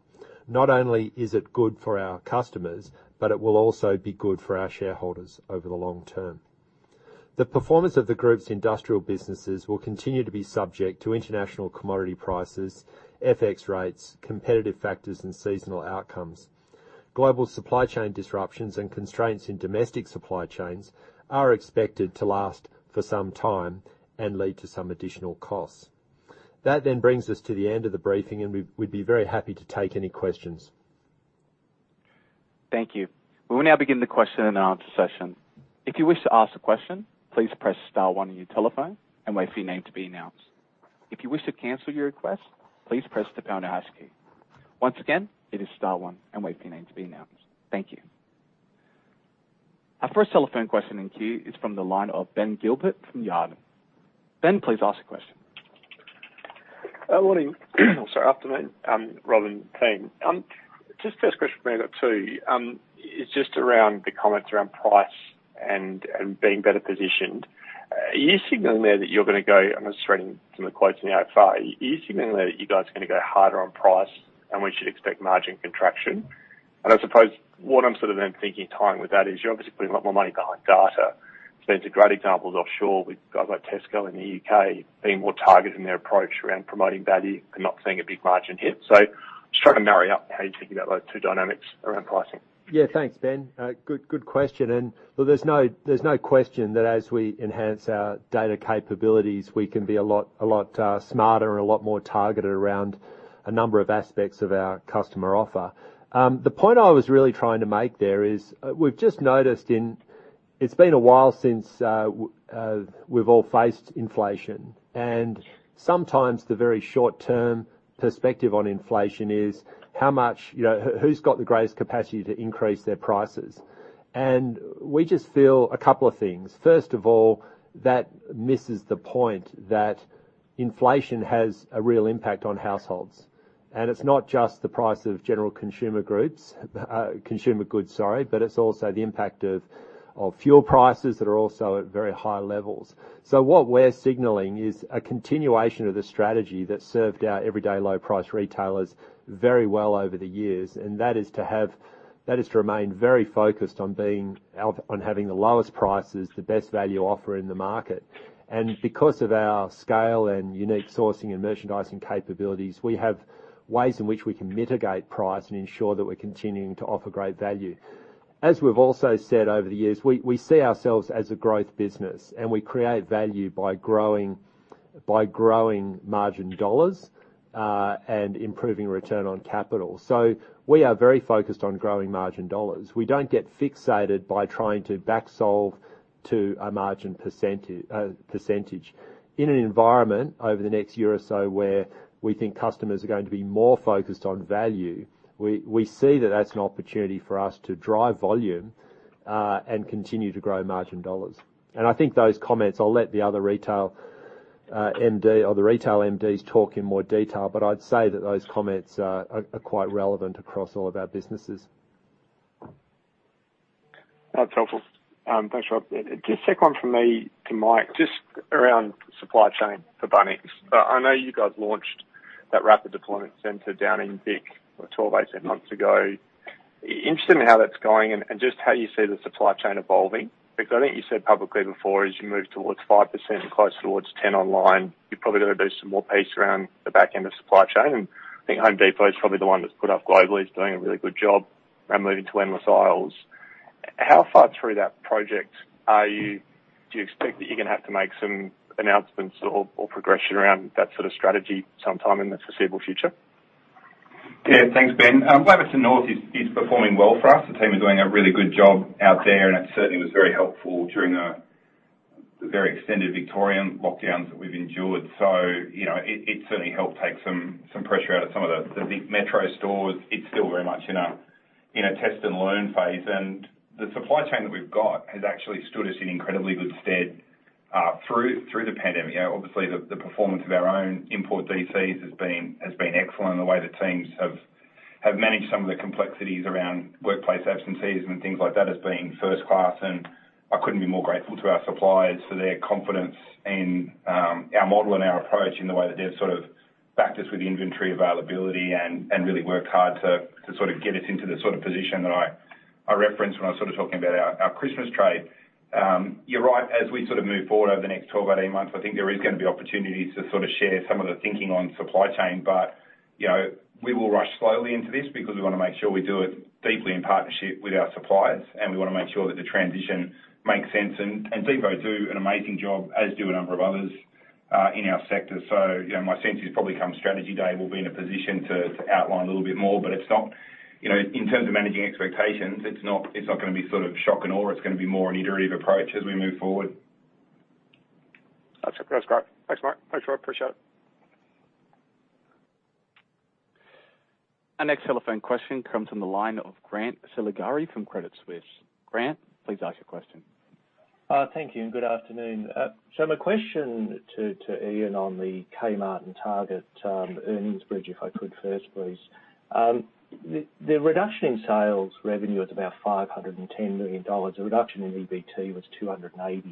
Not only is it good for our customers, but it will also be good for our shareholders over the long term. The performance of the Group's Industrial businesses will continue to be subject to international commodity prices, FX rates, competitive factors, and seasonal outcomes. Global supply chain disruptions and constraints in domestic supply chains are expected to last for some time and lead to some additional costs. That then brings us to the end of the briefing, and we'd be very happy to take any questions. Thank you. We will now begin the question-and-answer session. If you wish to ask a question, please press star one on your telephone and wait for your name to be announced. If you wish to cancel your request, please press the pound or hash key. Once again, it is star one and wait for your name to be announced. Thank you. Our first telephone question in queue is from the line of Ben Gilbert from Jarden. Ben, please ask a question. Morning. Sorry, afternoon, Rob and team. Just first question for me that too is just around the comments around price and being better positioned. Are you signaling there that you're gonna go? I'm just reading from the quotes in the FR. Are you signaling that you guys are gonna go harder on price, and we should expect margin contraction? I suppose what I'm sort of then thinking tying with that is you're obviously putting a lot more money behind data. There's a great example offshore with guys like Tesco in the U.K. being more targeted in their approach around promoting value and not seeing a big margin hit. Just trying to marry up how you're thinking about those two dynamics around pricing. Thanks, Ben. Good question. Look, there's no question that as we enhance our data capabilities, we can be a lot smarter and a lot more targeted around a number of aspects of our customer offer. The point I was really trying to make there is, we've just noticed in. It's been a while since we've all faced inflation. Sometimes the very short term perspective on inflation is how much, who's got the greatest capacity to increase their prices? We just feel a couple of things. First of all, that misses the point that inflation has a real impact on households. It's not just the price of general consumer groups, consumer goods, sorry, but it's also the impact of fuel prices that are also at very high levels. What we're signaling is a continuation of the strategy that served our everyday low price retailers very well over the years. That is to remain very focused on having the lowest prices, the best value offer in the market. Because of our scale and unique sourcing and merchandising capabilities, we have ways in which we can mitigate price and ensure that we're continuing to offer great value. As we've also said over the years, we see ourselves as a growth business, and we create value by growing margin dollars and improving return on capital. We are very focused on growing margin dollars. We don't get fixated by trying to back solve to a margin percentage. In an environment over the next year or so, where we think customers are going to be more focused on value, we see that that's an opportunity for us to drive volume and continue to grow margin dollars. I think those comments, I'll let the other Retail MD or the Retail MDs talk in more detail, but I'd say that those comments are quite relevant across all of our businesses. That's helpful. Thanks, Rob. Just the second one from me to Mike, just around supply chain for Bunnings. I know you guys launched that rapid deployment center down in Vic, 12, 18 months ago. Interested in how that's going and just how you see the supply chain evolving. Because I think you said publicly before, as you move towards 5% and closer towards 10% online, you're probably gonna do some more piece around the back end of supply chain. I think Home Depot is probably the one that's leading globally, is doing a really good job around moving to endless aisles. How far through that project are you? Do you expect that you're gonna have to make some announcements or progression around that sort of strategy sometime in the foreseeable future? Thanks, Ben. Calverton North is performing well for us. The team are doing a really good job out there, and it certainly was very helpful during the very extended Victorian lockdowns that we've endured. It certainly helped take some pressure out of some of the big metro stores. It's still very much in a test and learn phase. The supply chain that we've got has actually stood us in incredibly good stead through the pandemic. Obviously the performance of our own import DCs has been excellent. The way the teams have managed some of the complexities around workplace absentees and things like that has been first class. I couldn't be more grateful to our suppliers for their confidence in our model and our approach in the way that they've sort of backed us with inventory availability and really worked hard to sort of get us into the sort of position that I referenced when I was sort of talking about our Christmas trade. You're right. As we sort of move forward over the next 12, 18 months, I think there is gonna be opportunities to sort of share some of the thinking on supply chain. We will rush slowly into this because we wanna make sure we do it deeply in partnership with our suppliers, and we wanna make sure that the transition makes sense. Depot do an amazing job, as do a number of others, in our sector. My sense is probably come Strategy Day, we'll be in a position to outline a little bit more. It's not in terms of managing expectations, it's not, it's not gonna be sort of shock and awe. It's gonna be more an iterative approach as we move forward. That's great. Thanks, Mike. Thanks, Rob. Appreciate it. Our next telephone question comes from the line of Grant Saligari from Credit Suisse. Grant, please ask your question. Thank you and good afternoon. My question to Ian on the Kmart and Target earnings bridge, if I could first, please. The reduction in sales revenue is about 510 million dollars. The reduction in EBT was 280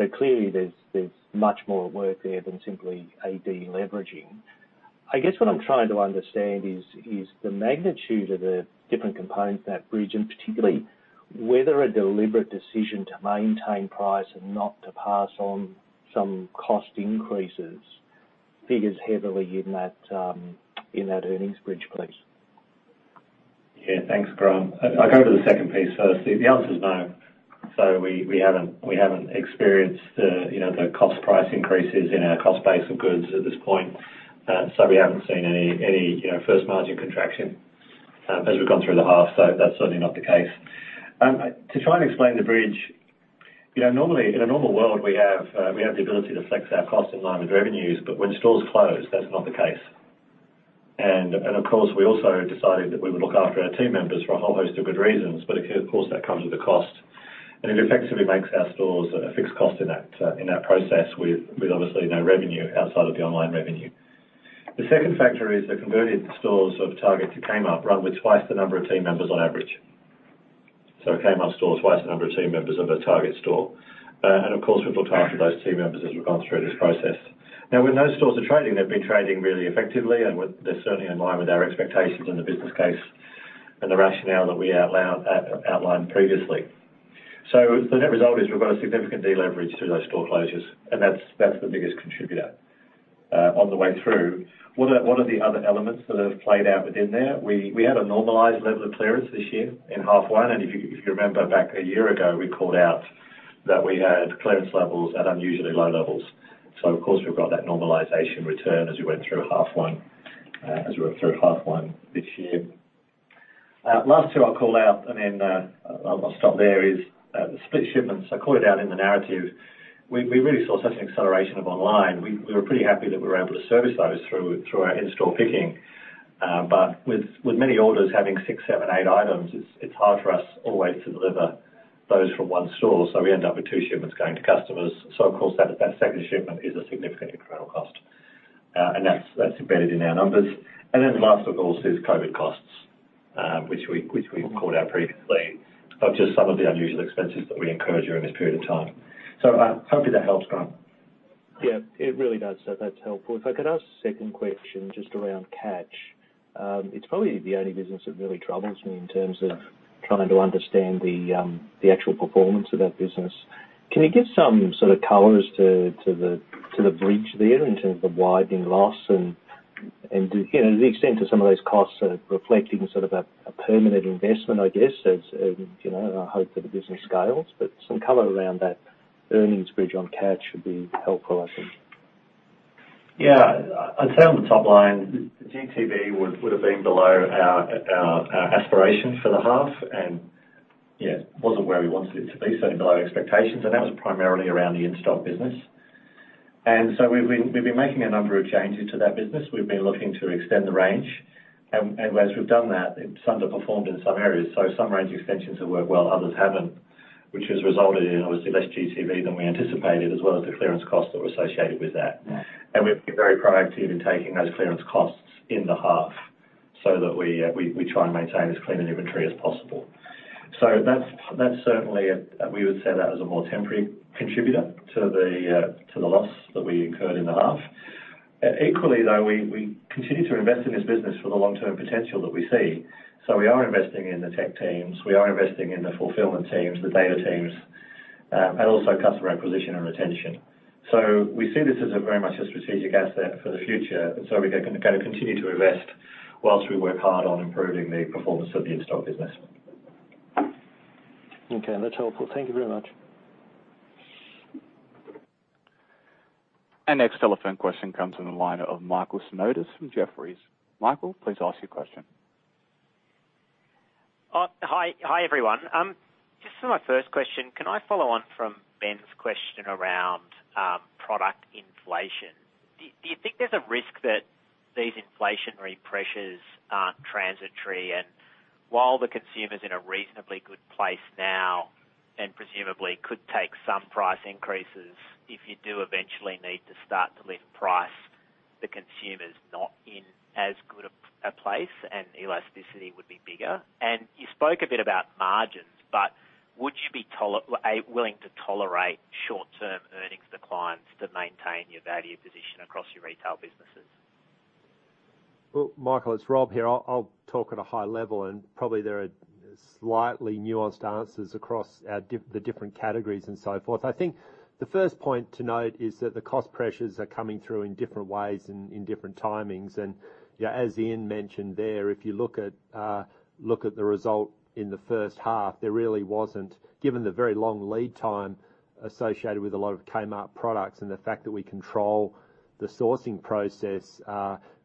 million. Clearly there's much more at work there than simply AB leveraging. I guess what I'm trying to understand is the magnitude of the different components of that bridge, and particularly whether a deliberate decision to maintain price and not to pass on some cost increases figures heavily in that earnings bridge, please. Thanks, Grant. I'll go to the second piece first. The answer is no. We haven't experienced the cost price increases in our cost base of goods at this point. We haven't seen any gross margin contraction as we've gone through the half. That's certainly not the case. To try and explain the bridge normally in a normal world, we have the ability to flex our cost in line with revenues, but when stores close, that's not the case. Of course, we also decided that we would look after our team members for a whole host of good reasons. But of course, that comes with a cost, and it effectively makes our stores a fixed cost in that process with obviously no revenue outside of the online revenue. The second factor is the converted stores of Target to Kmart run with twice the number of team members on average. A Kmart store is twice the number of team members of a Target store. And of course, we've looked after those team members as we've gone through this process. Now, where those stores are trading, they've been trading really effectively, and they're certainly in line with our expectations and the business case and the rationale that we outlined previously. The net result is we've got a significant deleverage through those store closures, and that's the biggest contributor on the way through. One of the other elements that have played out within there, we had a normalized level of clearance this year in half one. If you remember back a year ago, we called out that we had clearance levels at unusually low levels. Of course, we've got that normalization return as we went through half one this year. Last two I'll call out, and then I'll stop there, is the split shipments. I called it out in the narrative. We really saw such an acceleration of online. We were pretty happy that we were able to service those through our in-store picking. But with many orders having six, seven, eight items, it's hard for us always to deliver those from one store. We end up with two shipments going to customers. Of course, that second shipment is a significant incremental cost. That's embedded in our numbers. Last of all is COVID costs, which we've called out previously, of just some of the unusual expenses that we incurred during this period of time. Hopefully that helps, Grant? Yeah, it really does. That's helpful. If I could ask a second question, just around Catch. It's probably the only business that really troubles me in terms of trying to understand the actual performance of that business. Can you give some sort of color as to the bridge there in terms of widening loss and the extent to some of those costs are reflecting sort of a permanent investment? I guess, as in the hope that the business scales, but some color around that earnings bridge on Catch would be helpful I'd say on the top line, GTV would have been below our aspiration for the half, and it wasn't where we wanted it to be, certainly below expectations, and that was primarily around the In-Stock business. We've been making a number of changes to that business. We've been looking to extend the range. As we've done that, it's underperformed in some areas. Some range extensions have worked well, others haven't, which has resulted in obviously less GTV than we anticipated, as well as the clearance costs that were associated with that. We've been very proactive in taking those clearance costs in the half so that we try and maintain as clean an inventory as possible. That's certainly we would say that is a more temporary contributor to the loss that we incurred in the half. Equally, though, we continue to invest in this business for the long-term potential that we see. We are investing in the tech teams, we are investing in the fulfillment teams, the data teams, and also customer acquisition and retention. We see this as very much a strategic asset for the future, and we're gonna continue to invest while we work hard on improving the performance of the In-Store business. Okay, that's helpful. Thank you very much. Our next telephone question comes from the line of Michael Simotas from Jefferies. Michael, please ask your question. Hi, everyone. Just for my first question, can I follow on from Ben's question around product inflation? Do you think there's a risk that these inflationary pressures aren't transitory, and while the consumer's in a reasonably good place now and presumably could take some price increases, if you do eventually need to start to lift price, the consumer's not in as good a place and elasticity would be bigger? You spoke a bit about margins, but would you be willing to tolerate short-term earnings declines to maintain your value position across your Retail businesses? Well, Michael, it's Rob here. I'll talk at a high level, and probably there are slightly nuanced answers across the different categories and so forth. I think the first point to note is that the cost pressures are coming through in different ways and in different timings. As Ian mentioned there, if you look at the result in the first half, there really wasn't much in the way of cost pressure. Given the very long lead time associated with a lot of Kmart products and the fact that we control the sourcing process,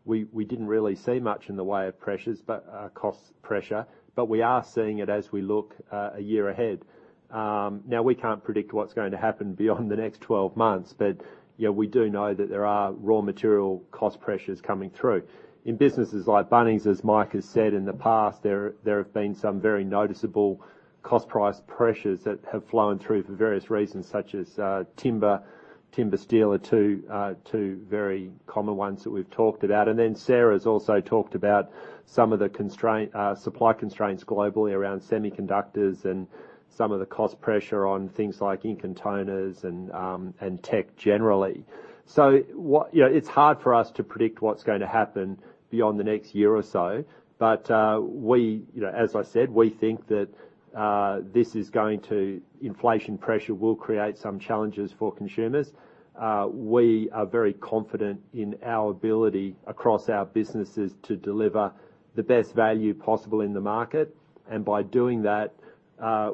we didn't really see much in the way of pressures, but cost pressure. But we are seeing it as we look a year ahead. Now we can't predict what's going to happen beyond the next 12 months, but yeah, we do know that there are raw material cost pressures coming through. In businesses like Bunnings, as Mike has said in the past, there have been some very noticeable cost price pressures that have flown through for various reasons, such as timber, steel are two very common ones that we've talked about. Sarah's also talked about some of the supply constraints globally around semiconductors and some of the cost pressure on things like ink and toners and tech generally. It's hard for us to predict what's going to happen beyond the next year or so. As I said, we think that inflation pressure will create some challenges for consumers. We are very confident in our ability across our businesses to deliver the best value possible in the market. By doing that,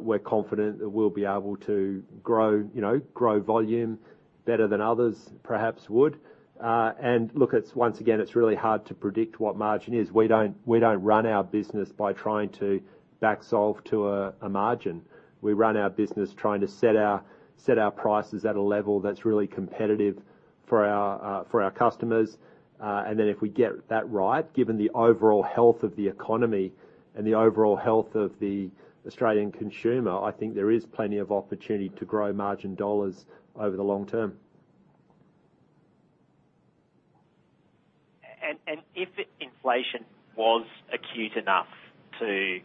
we're confident that we'll be able to grow volume better than others perhaps would. Look, it's once again really hard to predict what margin is. We don't run our business by trying to back solve to a margin. We run our business trying to set our prices at a level that's really competitive. For our customers. If we get that right, given the overall health of the economy and the overall health of the Australian consumer, I think there is plenty of opportunity to grow margin dollars over the long term. If inflation was acute enough to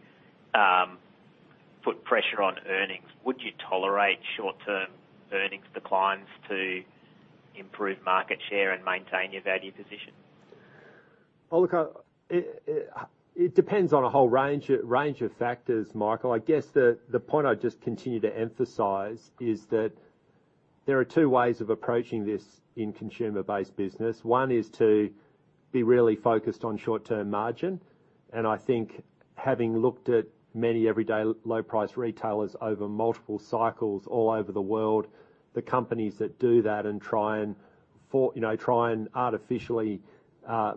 put pressure on earnings, would you tolerate short-term earnings declines to improve market share and maintain your value position? Well, look, it depends on a whole range of factors, Michael. I guess the point I just continue to emphasize is that there are two ways of approaching this in Consumer-Based business. One is to be really focused on short-term margin. I think having looked at many everyday low-price retailers over multiple cycles all over the world, the companies that do that and try and artificially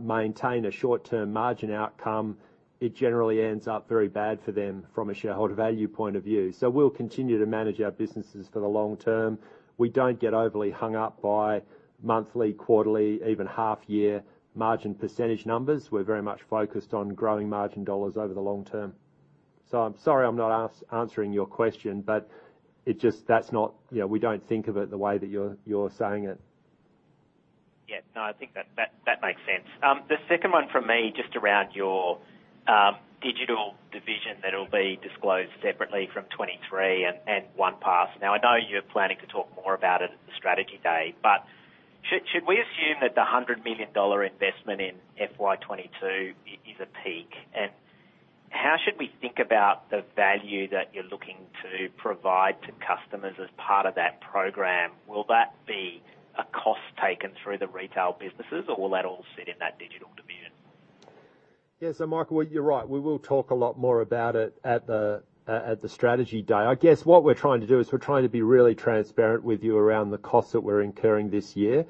maintain a short-term margin outcome, it generally ends up very bad for them from a shareholder value point of view. We'll continue to manage our businesses for the long term. We don't get overly hung up by monthly, quarterly, even half-year margin percentage numbers. We're very much focused on growing margin dollars over the long term. I'm sorry I'm not answering your question, but it just. That's not. We don't think of it the way that you're saying it. No, I think that makes sense. The second one from me, just around your Digital Division that will be disclosed separately from 2023 and OnePass. Now, I know you're planning to talk more about it at the Strategy Day, but should we assume that the 100 million dollar investment in FY 2022 is a peak? How should we think about the value that you're looking to provide to customers as part of that program? Will that be a cost taken through the Retail businesses, or will that all sit in that Digital Division? Yes. Michael, well, you're right. We will talk a lot more about it at the Strategy Day. I guess what we're trying to do is we're trying to be really transparent with you around the costs that we're incurring this year.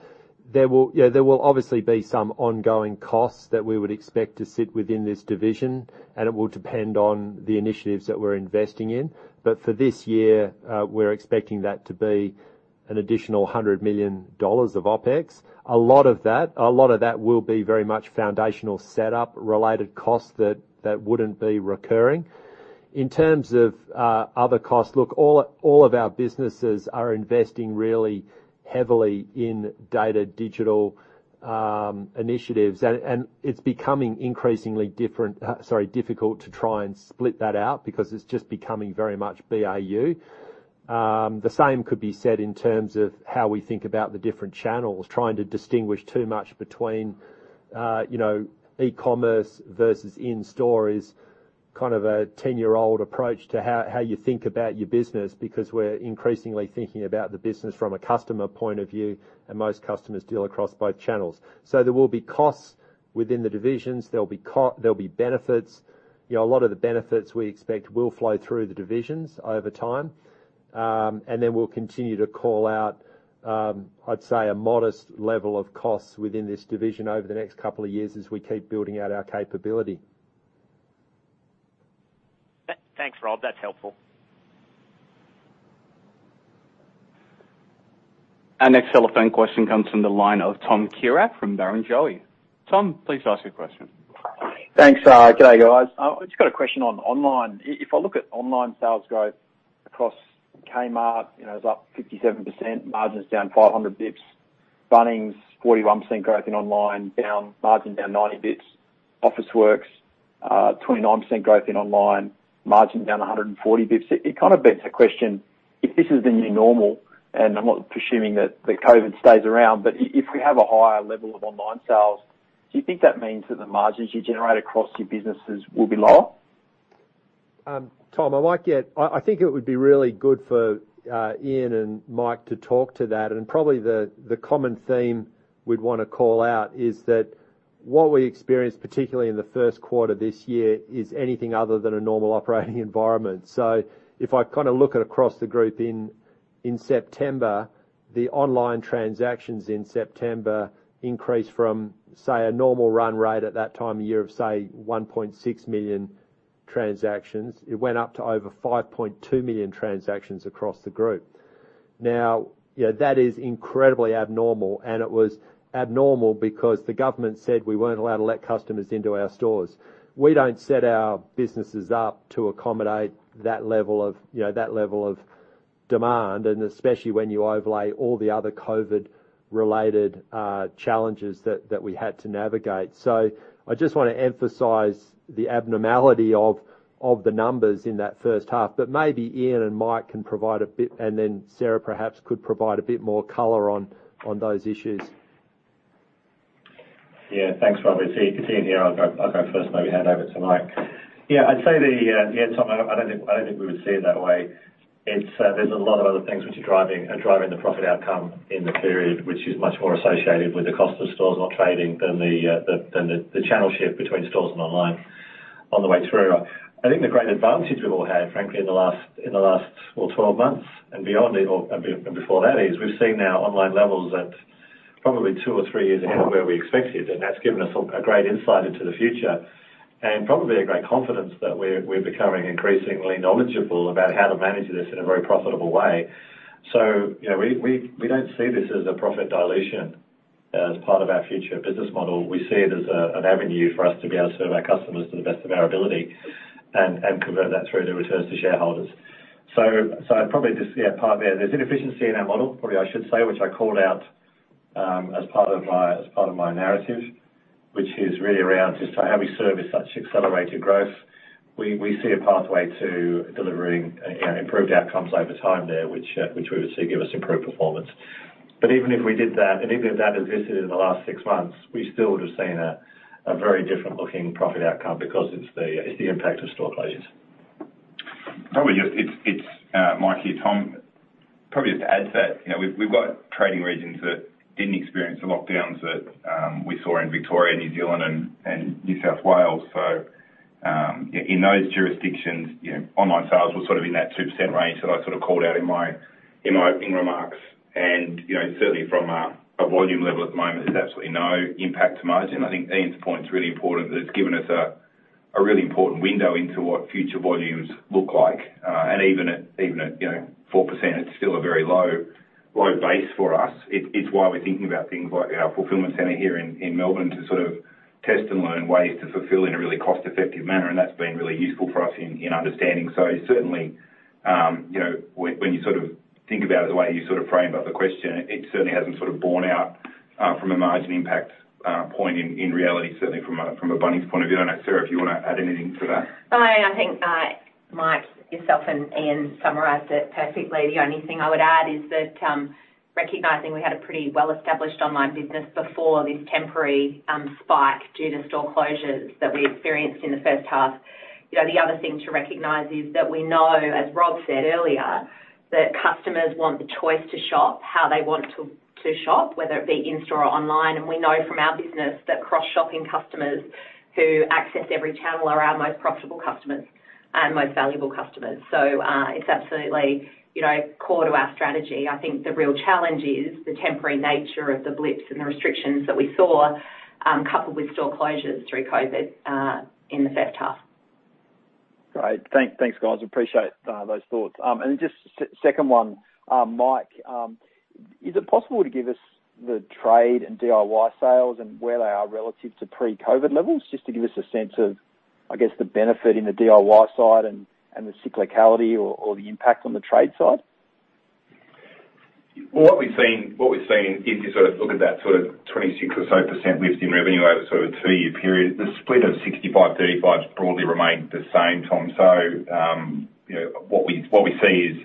There will, you know, there will obviously be some ongoing costs that we would expect to sit within this Division, and it will depend on the initiatives that we're investing in. But for this year, we're expecting that to be an additional 100 million dollars of OpEx. A lot of that will be very much foundational setup related costs that wouldn't be recurring. In terms of other costs, look, all of our businesses are investing really heavily in data and digital initiatives. It's becoming increasingly difficult to try and split that out because it's just becoming very much BAU. The same could be said in terms of how we think about the different channels. Trying to distinguish too much between e-commerce versus in-store is kind of a ten-year-old approach to how you think about your business, because we're increasingly thinking about the business from a customer point of view, and most customers deal across both channels. There will be costs within the divisions. There'll be benefits. A lot of the benefits we expect will flow through the divisions over time. We'll continue to call out, I'd say, a modest level of costs within this division over the next couple of years as we keep building out our capability. Thanks, Rob. That's helpful. Our next telephone question comes from the line of Tom Kierath from Barrenjoey. Tom, please ask your question. Thanks. Good day, guys. I've just got a question on online. If I look at online sales growth across Kmart, it's up 57%, margin's down 500 basis points. Bunnings, 41% growth in online, margin down 90 basis points. Officeworks, 29% growth in online, margin down 140 basis points. It kind of begs the question, if this is the new normal, and I'm not presuming that the COVID stays around, but if we have a higher level of online sales, do you think that means that the margins you generate across your businesses will be lower? Tom, I think it would be really good for Ian and Mike to talk to that. Probably the common theme we'd wanna call out is that what we experienced, particularly in the first quarter this year, is anything other than a normal operating environment. If I kind of look at across the Group in September, the online transactions in September increased from, say, a normal run rate at that time of year of, say, 1.6 million transactions. It went up to over 5.2 million transactions across the Group. Now, that is incredibly abnormal, and it was abnormal because the government said we weren't allowed to let customers into our stores. We don't set our businesses up to accommodate that level of demand, and especially when you overlay all the other COVID-related challenges that we had to navigate. I just wanna emphasize the abnormality of the numbers in that first half. Maybe Ian and Mike can provide a bit, and then Sarah perhaps could provide a bit more color on those issues. Thanks, Rob. As you can see in here, I'll go first, maybe hand over to Mike. I'd say, Tom, I don't think we would see it that way. It's, there's a lot of other things which are driving the profit outcome in the period, which is much more associated with the cost of stores not trading than the channel shift between stores and online on the way through. I think the great advantage we've all had, frankly, in the last well, 12 months and before that is, we've seen our online levels at probably two or three years ahead of where we expected, and that's given us a great insight into the future. Probably a great confidence that we're becoming increasingly knowledgeable about how to manage this in a very profitable way. We don't see this as a profit dilution as part of our future business model. We see it as an avenue for us to be able to serve our customers to the best of our ability and convert that through to returns to shareholders. So probably just part of that, there's inefficiency in our model, probably I should say, which I called out as part of my narrative, which is really around just how we service such accelerated growth. We see a pathway to delivering again improved outcomes over time there, which we would see give us improved performance. But even if we did that, and even if that existed in the last six months, we still would've seen a very different looking profit outcome because it's the impact of store closures. It's Mike here, Tom. Probably just to add to that. We've got trading regions that didn't experience the lockdowns that we saw in Victoria, New Zealand and New South Wales. In those jurisdictions, online sales were sort of in that 2% range that I sort of called out in my opening remarks. Certainly from a volume level at the moment, there's absolutely no impact to margin. I think Ian's point's really important, that it's given us a really important window into what future volumes look like. Even at 4%, it's still a very low base for us. It's why we're thinking about things like our fulfillment center here in Melbourne to sort of test and learn ways to fulfill in a really cost-effective manner, and that's been really useful for us in understanding. Certainly, when you sort of think about it, the way you sort of framed up the question, it certainly hasn't sort of borne out from a margin impact point in reality, certainly from a Bunnings point of view. I don't know, Sarah, if you wanna add anything to that. No, I think, Mike, yourself and Ian summarized it perfectly. The only thing I would add is that, recognizing we had a pretty well-established Online business before this temporary, spike due to store closures that we experienced in the first half. The other thing to recognize is that we know, as Rob said earlier, that customers want the choice to shop how they want to, whether it be in-store or online. We know from our business that cross-shopping customers who access every channel are our most profitable customers and most valuable customers. It's absolutely core to our strategy. I think the real challenge is the temporary nature of the blips and the restrictions that we saw, coupled with store closures through COVID, in the first half. Great. Thanks, guys. Appreciate those thoughts. Just second one, Mike, is it possible to give us the trade and DIY sales and where they are relative to pre-COVID levels? Just to give us a sense of, I guess, the benefit in the DIY side and the cyclicality or the impact on the trade side. Well, what we've seen is you sort of look at that sort of 26% or so lift in revenue over sort of a two-year period. The split of 65, 35 broadly remained the same, Tom. What we see is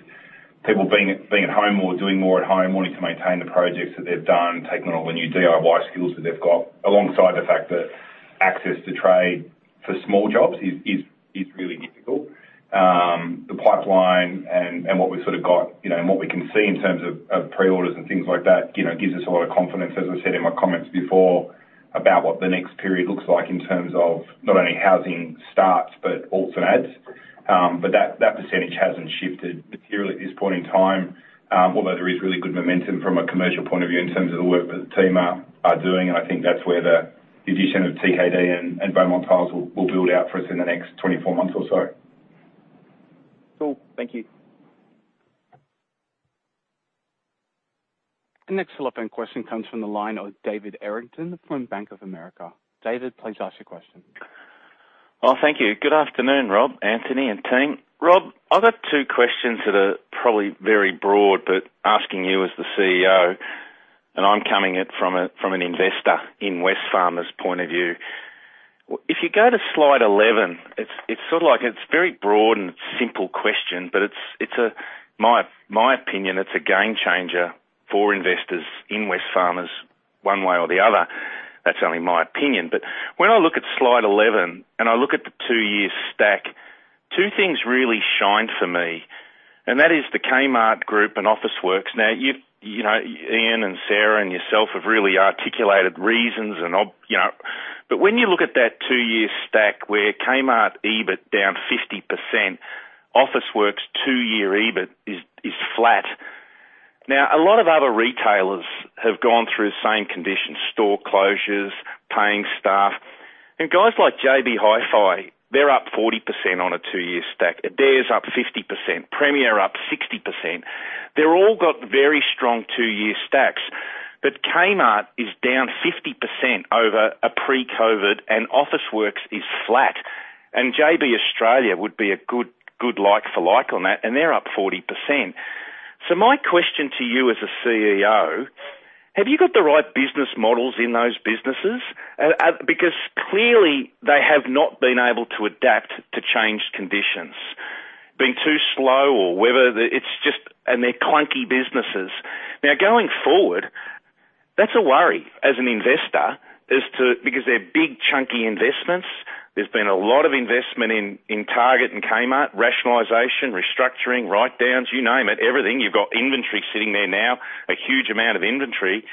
people being at home more, doing more at home, wanting to maintain the projects that they've done, taking on all the new DIY skills that they've got, alongside the fact that access to trade for small jobs is really difficult. The pipeline and what we've sort of got, and what we can see in terms of pre-orders and things like that gives us a lot of confidence, as I said in my comments before, about what the next period looks like in terms of not only housing starts, but alts and adds. That percentage hasn't shifted materially at this point in time, although there is really good momentum from a commercial point of view in terms of the work that the team are doing, and I think that's where the addition of TKD and Beaumont Tiles will build out for us in the next 24 months or so. Cool. Thank you. The next follow-up and question comes from the line of David Errington from Bank of America. David, please ask your question. Well, thank you. Good afternoon, Rob, Anthony, and team. Rob, I've got two questions that are probably very broad, but asking you as the CEO, and I'm coming at it from an investor in Wesfarmers' point of view. If you go to Slide 11, it's sort of like a very broad and simple question, but it's my opinion, it's a game changer for investors in Wesfarmers one way or the other. That's only my opinion. When I look at Slide 11 and I look at the two-year stack, two things really shine for me, and that is the Kmart Group and Officeworks. Now, Ian and Sarah and yourself have really articulated reasons. When you look at that two-year stack where Kmart EBIT down 50%, Officeworks two-year EBIT is flat. A lot of other retailers have gone through the same conditions, store closures, paying staff, and guys like JB Hi-Fi, they're up 40% on a two-year stack. Adairs up 50%. Premier up 60%. They're all got very strong two-year stacks. Kmart is down 50% over a pre-COVID, and Officeworks is flat. JB Australia would be a good like for like on that, and they're up 40%. My question to you as the CEO, have you got the right business models in those businesses? Because clearly they have not been able to adapt to changed conditions. Been too slow or whether the. It's just. They're clunky businesses. Going forward, that's a worry as an investor as to, because they're big, chunky investments. There's been a lot of investment in Target and Kmart, rationalization, restructuring, write-downs, you name it, everything. You've got inventory sitting there now, a huge amount of inventory.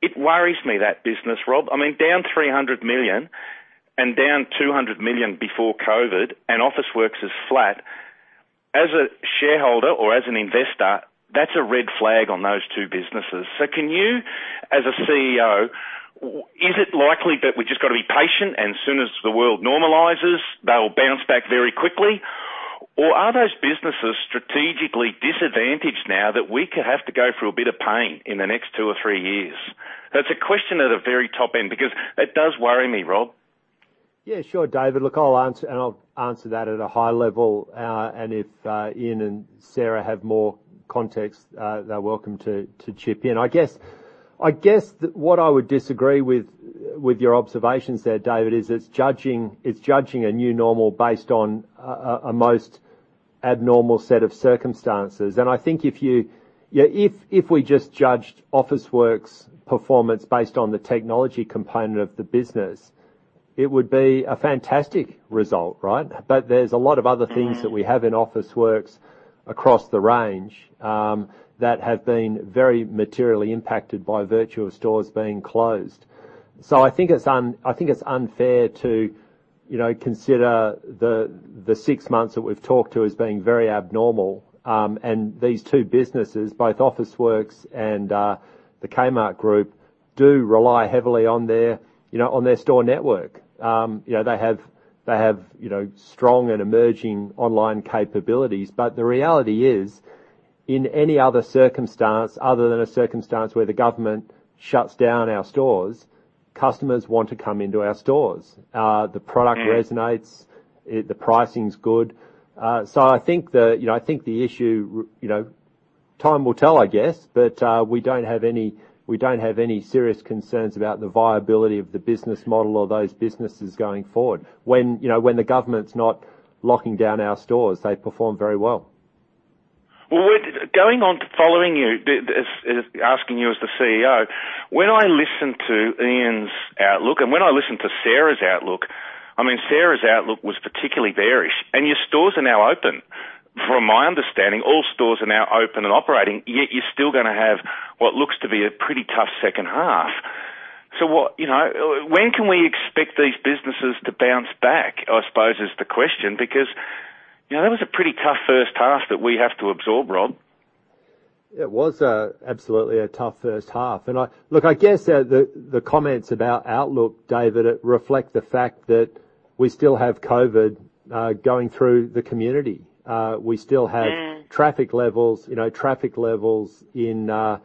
It worries me, that business, Rob. I mean, down 300 million and down 200 million before COVID and Officeworks is flat. As a shareholder or as an investor, that's a red flag on those two businesses. Can you, as a CEO, is it likely that we just gotta be patient, and as soon as the world normalizes, they'll bounce back very quickly? Or are those businesses strategically disadvantaged now that we could have to go through a bit of pain in the next two or three years? That's a question at the very top end because it does worry me, Rob. Sure, David. Look, I'll answer, and I'll answer that at a high level. If Ian and Sarah have more context, they're welcome to chip in. I guess what I would disagree with your observations there, David, is it's judging a new normal based on a most abnormal set of circumstances. I think if we just judged Officeworks' performance based on the technology component of the business, it would be a fantastic result, right? But there's a lot of other things that we have in Officeworks across the range that have been very materially impacted by virtue of stores being closed. I think it's unfair to consider the six months that we've talked about as being very abnormal. These two businesses, both Officeworks and the Kmart Group, do rely heavily on their on their store network. They have strong and emerging online capabilities. The reality is, in any other circumstance, other than a circumstance where the government shuts down our stores, customers want to come into our stores. The product resonates. The pricing's good. I think the issue, time will tell, I guess. We don't have any serious concerns about the viability of the business model or those businesses going forward. When the government's not locking down our stores, they perform very well. Well, this is asking you as the CEO, when I listen to Ian's outlook, and when I listen to Sarah's outlook, I mean, Sarah's outlook was particularly bearish, and your stores are now open. From my understanding, all stores are now open and operating, yet you're still gonna have what looks to be a pretty tough second half. When can we expect these businesses to bounce back? I suppose, is the question because that was a pretty tough first half that we have to absorb, Rob. It was absolutely a tough first half. Look, I guess the comments about outlook, David, reflect the fact that we still have COVID going through the community. We still have traffic levels in the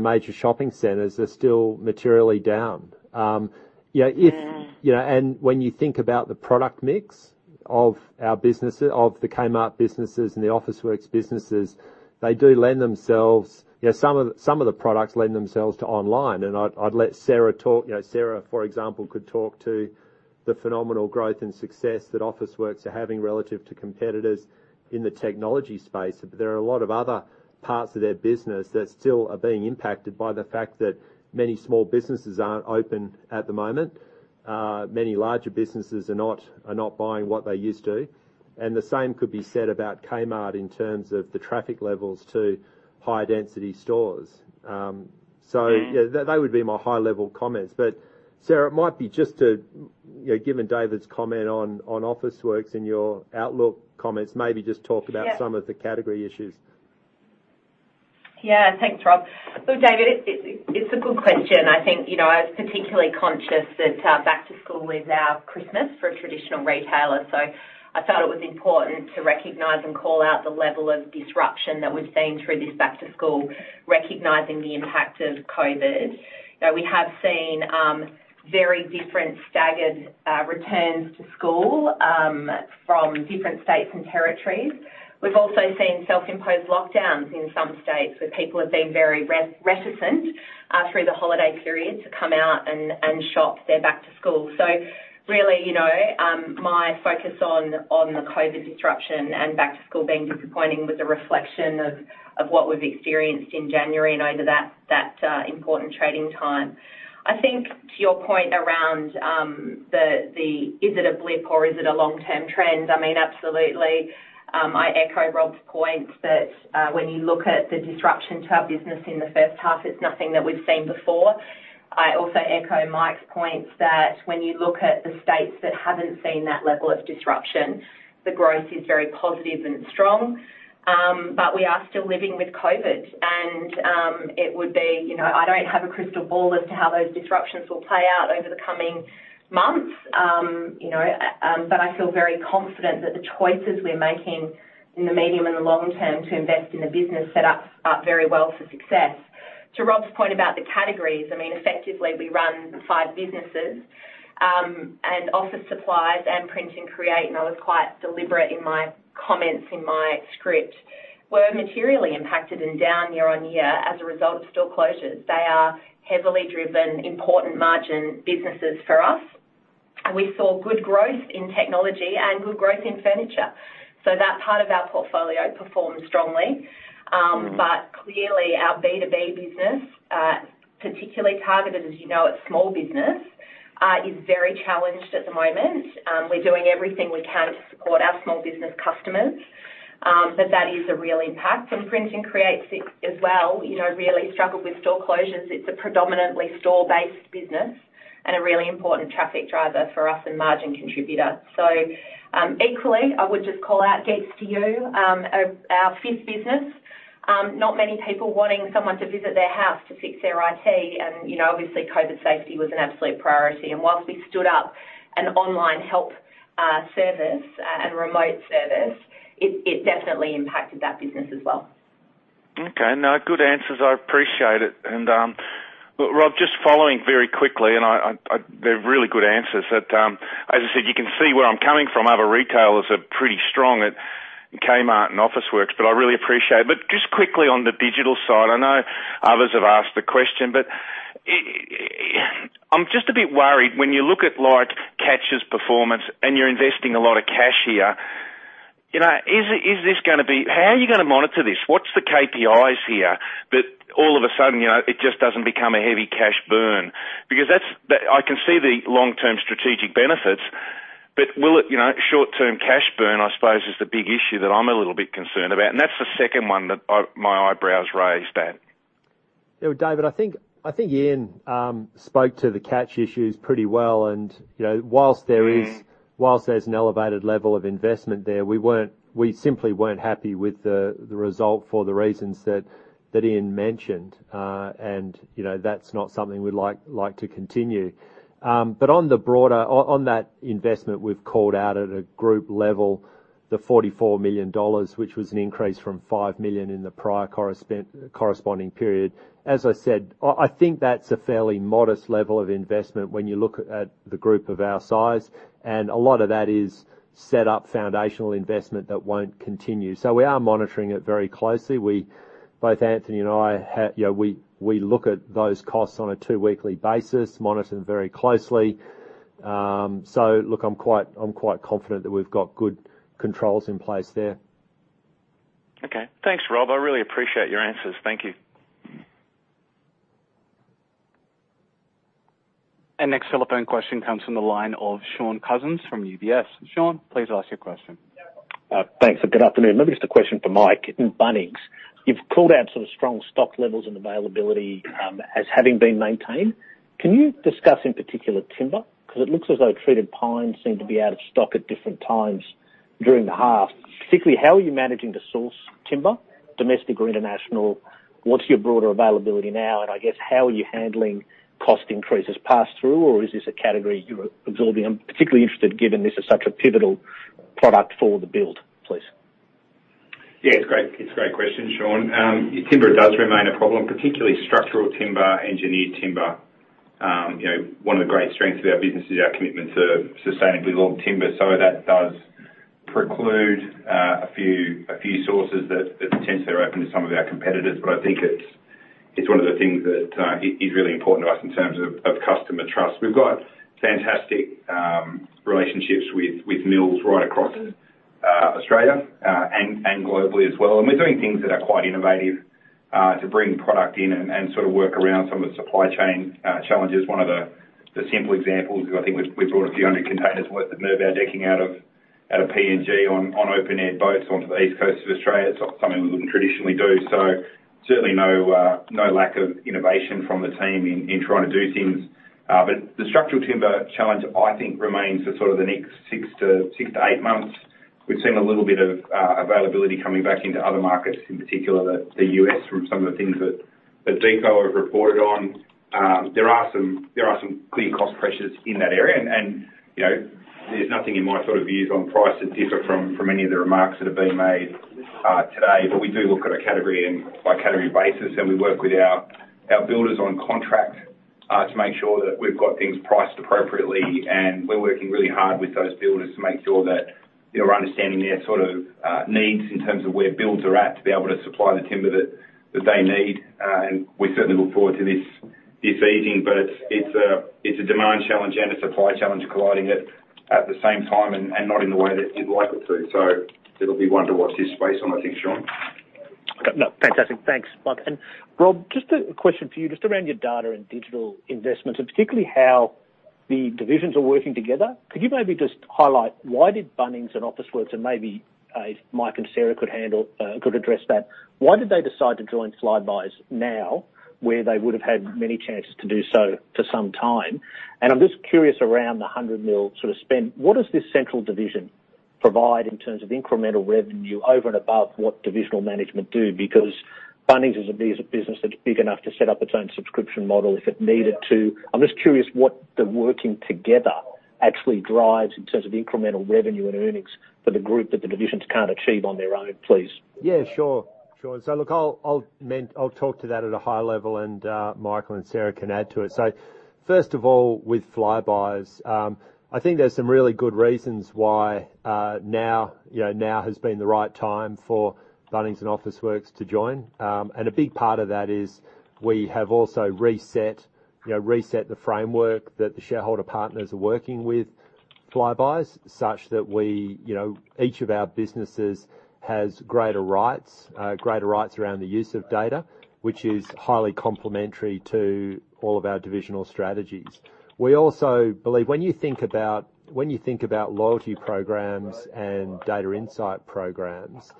major shopping centers are still materially down. When you think about the product mix of our business, of the Kmart businesses and the Officeworks businesses, they do lend themselves. Some of the products lend themselves to online, and I'd let Sarah talk. Sarah, for example, could talk to the phenomenal growth and success that Officeworks are having relative to competitors in the technology space. There are a lot of other parts of their business that still are being impacted by the fact that many small businesses aren't open at the moment. Many larger businesses are not buying what they used to. The same could be said about Kmart in terms of the traffic levels to high-density stores. That would be my high-level comments. Sarah, it might be just to, given David's comment on Officeworks and your outlook comments, maybe just talk about some of the category issues. Yeah. Thanks, Rob. Look, David, it's a good question. I think I was particularly conscious that back to school is our Christmas for a traditional retailer, so I thought it was important to recognize and call out the level of disruption that we've seen through this back to school, recognizing the impact of COVID. We have seen very different staggered returns to school from different states and territories. We've also seen self-imposed lockdowns in some states where people have been very reticent through the holiday period to come out and shop their back to school. So really, my focus on the COVID disruption and back to school being disappointing was a reflection of what we've experienced in January and over that important trading time. I think to your point around, is it a blip or is it a long-term trend. I mean, absolutely, I echo Rob's points that when you look at the disruption to our business in the first half, it's nothing that we've seen before. I also echo Mike's points that when you look at the states that haven't seen that level of disruption, the growth is very positive and strong. But we are still living with COVID. I don't have a crystal ball as to how those disruptions will play out over the coming months, but I feel very confident that the choices we're making in the medium and the long term to invest in the business set up very well for success. To Rob's point about the categories, I mean, effectively, we run five businesses, and Office Supplies and Print & Create, and I was quite deliberate in my comments in my script, were materially impacted and down year-on-year as a result of store closures. They are heavily driven, important margin businesses for us. We saw good growth in Technology and good growth in Furniture. That part of our portfolio performed strongly. Clearly, our B2B business, particularly targeted, as you know, at small business, is very challenged at the moment. We're doing everything we can to support our small business customers. That is a real impact. Print & Create as well, you know, really struggled with store closures. It's a predominantly Store-Based business, a really important traffic driver for us and margin contributor. Equally, I would just call out Geeks2U, our fifth business. Not many people wanting someone to visit their house to fix their IT and obviously, COVID safety was an absolute priority. Whilst we stood up an online health service and remote service, it definitely impacted that business as well. Okay. No, good answers. I appreciate it. Look, Rob, just following very quickly, they're really good answers. As I said, you can see where I'm coming from. Other retailers are pretty strong at Kmart and Officeworks, but I really appreciate it. Just quickly on the Digital side, I know others have asked the question, but I'm just a bit worried when you look at, like, Catch's performance and you're investing a lot of cash here, is this gonna be? How are you gonna monitor this? What's the KPIs here, that all of a sudden it just doesn't become a heavy cash burn? Because that's, I can see the long-term strategic benefits, but will it, short-term cash burn, I suppose, is the big issue that I'm a little bit concerned about, and that's the second one that my eyebrows raised at. David, I think Ian spoke to the Catch issues pretty well. Whilst there is elevated level of investment there, we simply weren't happy with the result for the reasons that Ian mentioned. That's not something we'd like to continue. On that investment we've called out at a Group level, the 44 million dollars, which was an increase from 5 million in the prior corresponding period. As I said, I think that's a fairly modest level of investment when you look at the group of our size, and a lot of that is set up foundational investment that won't continue. We are monitoring it very closely. Both Anthony and I, we look at those costs on a two-weekly basis, monitor them very closely. Look, I'm quite confident that we've got good controls in place there. Okay. Thanks, Rob. I really appreciate your answers. Thank you. Our next telephone question comes from the line of Shaun Cousins from UBS. Shaun, please ask your question. Thanks, and good afternoon. Maybe just a question for Mike. In Bunnings, you've called out some strong stock levels and availability as having been maintained. Can you discuss in particular timber? 'Cause it looks as though treated pine seemed to be out of stock at different times during the half. Specifically, how are you managing to source timber, domestic or international? What's your broader availability now? And I guess how are you handling cost increases passed through, or is this a category you're absorbing? I'm particularly interested given this is such a pivotal product for the build, please. It's great. It's a great question, Shaun. Timber does remain a problem, particularly structural timber, engineered timber. One of the great strengths of our business is our commitment to sustainably logged timber, so that does preclude a few sources that potentially are open to some of our competitors, but I think it's one of the things that is really important to us in terms of customer trust. We've got fantastic relationships with mills right across Australia and globally as well. We're doing things that are quite innovative to bring product in and sort of work around some of the supply chain challenges. One of the simple examples is I think we brought up 100 containers worth of Merbau decking out of PNG on open-air boats onto the east coast of Australia. It's not something we would traditionally do. Certainly no lack of innovation from the team in trying to do things. The structural timber challenge, I think remains for sort of the next six to eight months. We've seen a little bit of availability coming back into other markets, in particular the U.S. from some of the things that Beko have reported on. There are some clear cost pressures in that area. There's nothing in my sort of views on price that differ from any of the remarks that have been made today. We do look at a category and by category basis, and we work with our builders on contract to make sure that we've got things priced appropriately, and we're working really hard with those builders to make sure that we are understanding their sort of needs in terms of where builds are at to be able to supply the timber that they need. We certainly look forward to this easing, but it's a demand challenge and a supply challenge colliding at the same time and not in the way that you'd like it to. It'll be one to watch this space on, I think, Shaun. Okay. No. Fantastic. Thanks, Mike. Rob, just a question for you just around your data and digital investments, and particularly how the divisions are working together. Could you maybe just highlight why did Bunnings and Officeworks, and maybe, if Mike and Sarah could handle, could address that, why did they decide to join Flybuys now, where they would have had many chances to do so for some time? I'm just curious around the 100 million sort of spend, what does this central division provide in terms of incremental revenue over and above what divisional management do? Because Bunnings is a business that's big enough to set up its own subscription model if it needed to. I'm just curious what the working together actually drives in terms of incremental revenue and earnings for the Group that the divisions can't achieve on their own, please. Sure. Sure. Look, I'll talk to that at a high level and Michael and Sarah can add to it. First of all, with Flybuys, I think there's some really good reasons why now has been the right time for Bunnings and Officeworks to join. A big part of that is we have also reset the framework that the shareholder partners are working with Flybuys such that we each of our businesses has greater rights around the use of data, which is highly complementary to all of our divisional strategies. We also believe when you think about loyalty programs and data insight programs,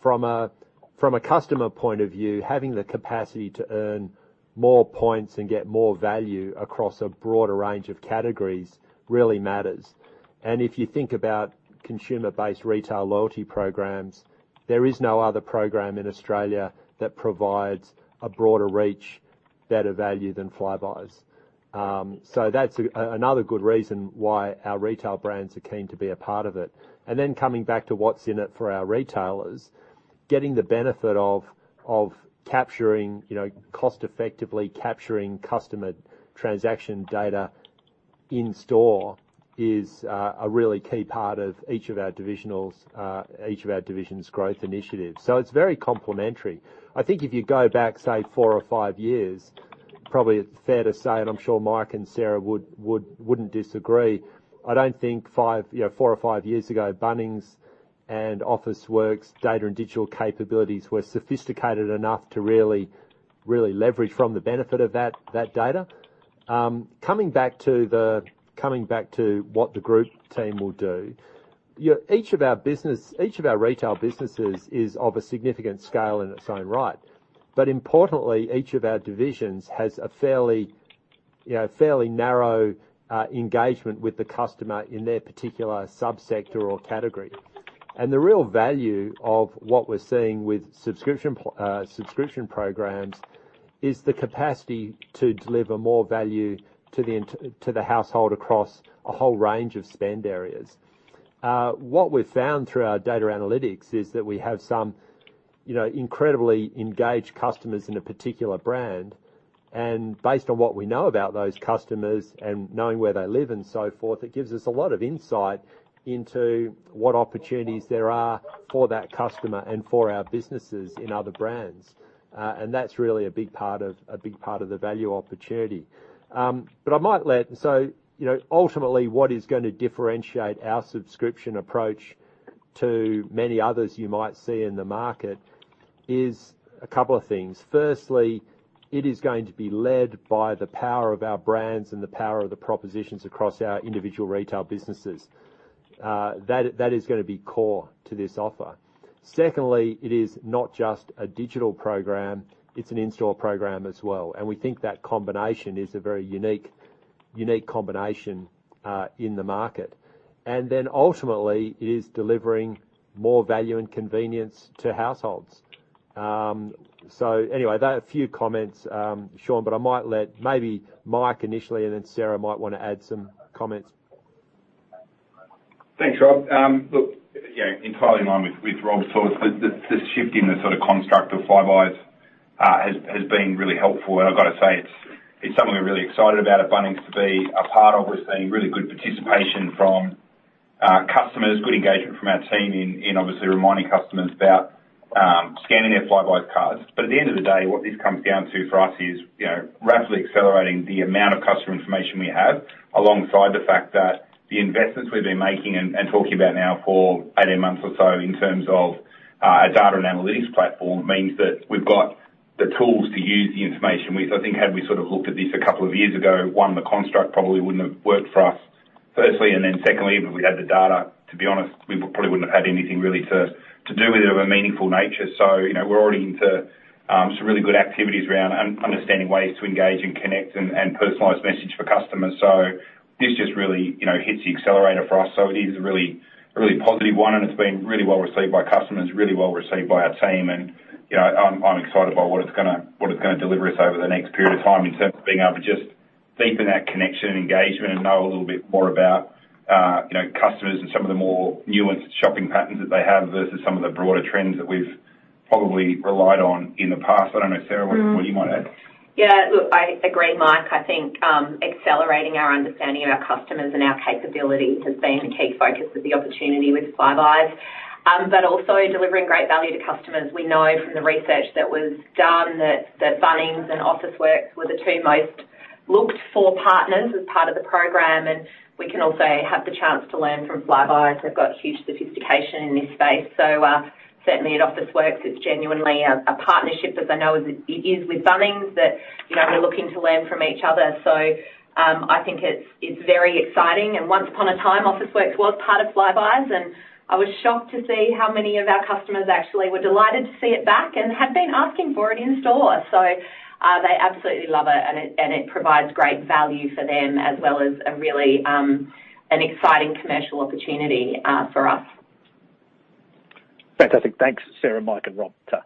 from a customer point of view, having the capacity to earn more points and get more value across a broader range of categories really matters. If you think about consumer-based retail loyalty programs, there is no other program in Australia that provides a broader reach, better value than Flybuys. That's another good reason why our retail brands are keen to be a part of it. Then coming back to what's in it for our retailers, getting the benefit of capturing cost-effectively capturing customer transaction data in store is a really key part of each of our divisions' growth initiatives. It's very complementary. I think if you go back, say, four or five years, probably it's fair to say, and I'm sure Mike and Sarah wouldn't disagree. I don't think four or five years ago, Bunnings and Officeworks' data and digital capabilities were sophisticated enough to really leverage from the benefit of that data. Coming back to what the Group team will do, each of our Retail businesses is of a significant scale in its own right. Importantly, each of our divisions has a fairly narrow engagement with the customer in their particular subsector or category. The real value of what we're seeing with subscription programs is the capacity to deliver more value to the entire household across a whole range of spend areas. What we've found through our data analytics is that we have some incredibly engaged customers in a particular brand. Based on what we know about those customers and knowing where they live and so forth, it gives us a lot of insight into what opportunities there are for that customer and for our businesses in other brands. That's really a big part of the value opportunity. Ultimately, what is gonna differentiate our subscription approach to many others you might see in the market is a couple of things. Firstly, it is going to be led by the power of our brands and the power of the propositions across our individual Retail businesses. That is gonna be core to this offer. Secondly, it is not just a digital program, it's an in-store program as well. We think that combination is a very unique combination in the market. Then ultimately, it is delivering more value and convenience to households. Anyway, that's a few comments, Shaun, but I might let Mike initially, and then Sarah might wanna add some comments. Thanks, Rob. Look, entirely in line with Rob's thoughts. The shift in the sort of construct of Flybuys has been really helpful. I've gotta say, it's something we're really excited about at Bunnings to be a part of. We're seeing really good participation from our customers, good engagement from our team in obviously reminding customers about scanning their Flybuys cards. At the end of the day, what this comes down to for us is rapidly accelerating the amount of customer information we have, alongside the fact that the investments we've been making and talking about now for 18 months or so in terms of a data and analytics platform means that we've got the tools to use the information. I think had we sort of looked at this a couple of years ago, one, the construct probably wouldn't have worked for us, firstly. Secondly, even if we had the data, to be honest, we probably wouldn't have had anything really to do with it of a meaningful nature. We're already into some really good activities around understanding ways to engage and connect and personalized message for customers. This just really hits the accelerator for us. It is a really, a really positive one, and it's been really well received by customers, really well received by our team. I'm excited by what it's gonna deliver us over the next period of time in terms of being able to just deepen that connection and engagement and know a little bit more about customers and some of the more nuanced shopping patterns that they have versus some of the broader trends that we've probably relied on in the past. I don't know, Sarah, what you might add. Look, I agree, Mike. I think accelerating our understanding of our customers and our capabilities has been a key focus of the opportunity with Flybuys. Also delivering great value to customers. We know from the research that was done that Bunnings and Officeworks were the two most looked-for partners as part of the program, and we can also have the chance to learn from Flybuys. They've got huge sophistication in this space. Certainly at Officeworks, it's genuinely a partnership as I know as it is with Bunnings that we're looking to learn from each other. I think it's very exciting. Once upon a time, Officeworks was part of Flybuys, and I was shocked to see how many of our customers actually were delighted to see it back and had been asking for it in store. They absolutely love it, and it provides great value for them, as well as a really exciting commercial opportunity for us. Fantastic. Thanks, Sarah, Mike, and Rob. Ta.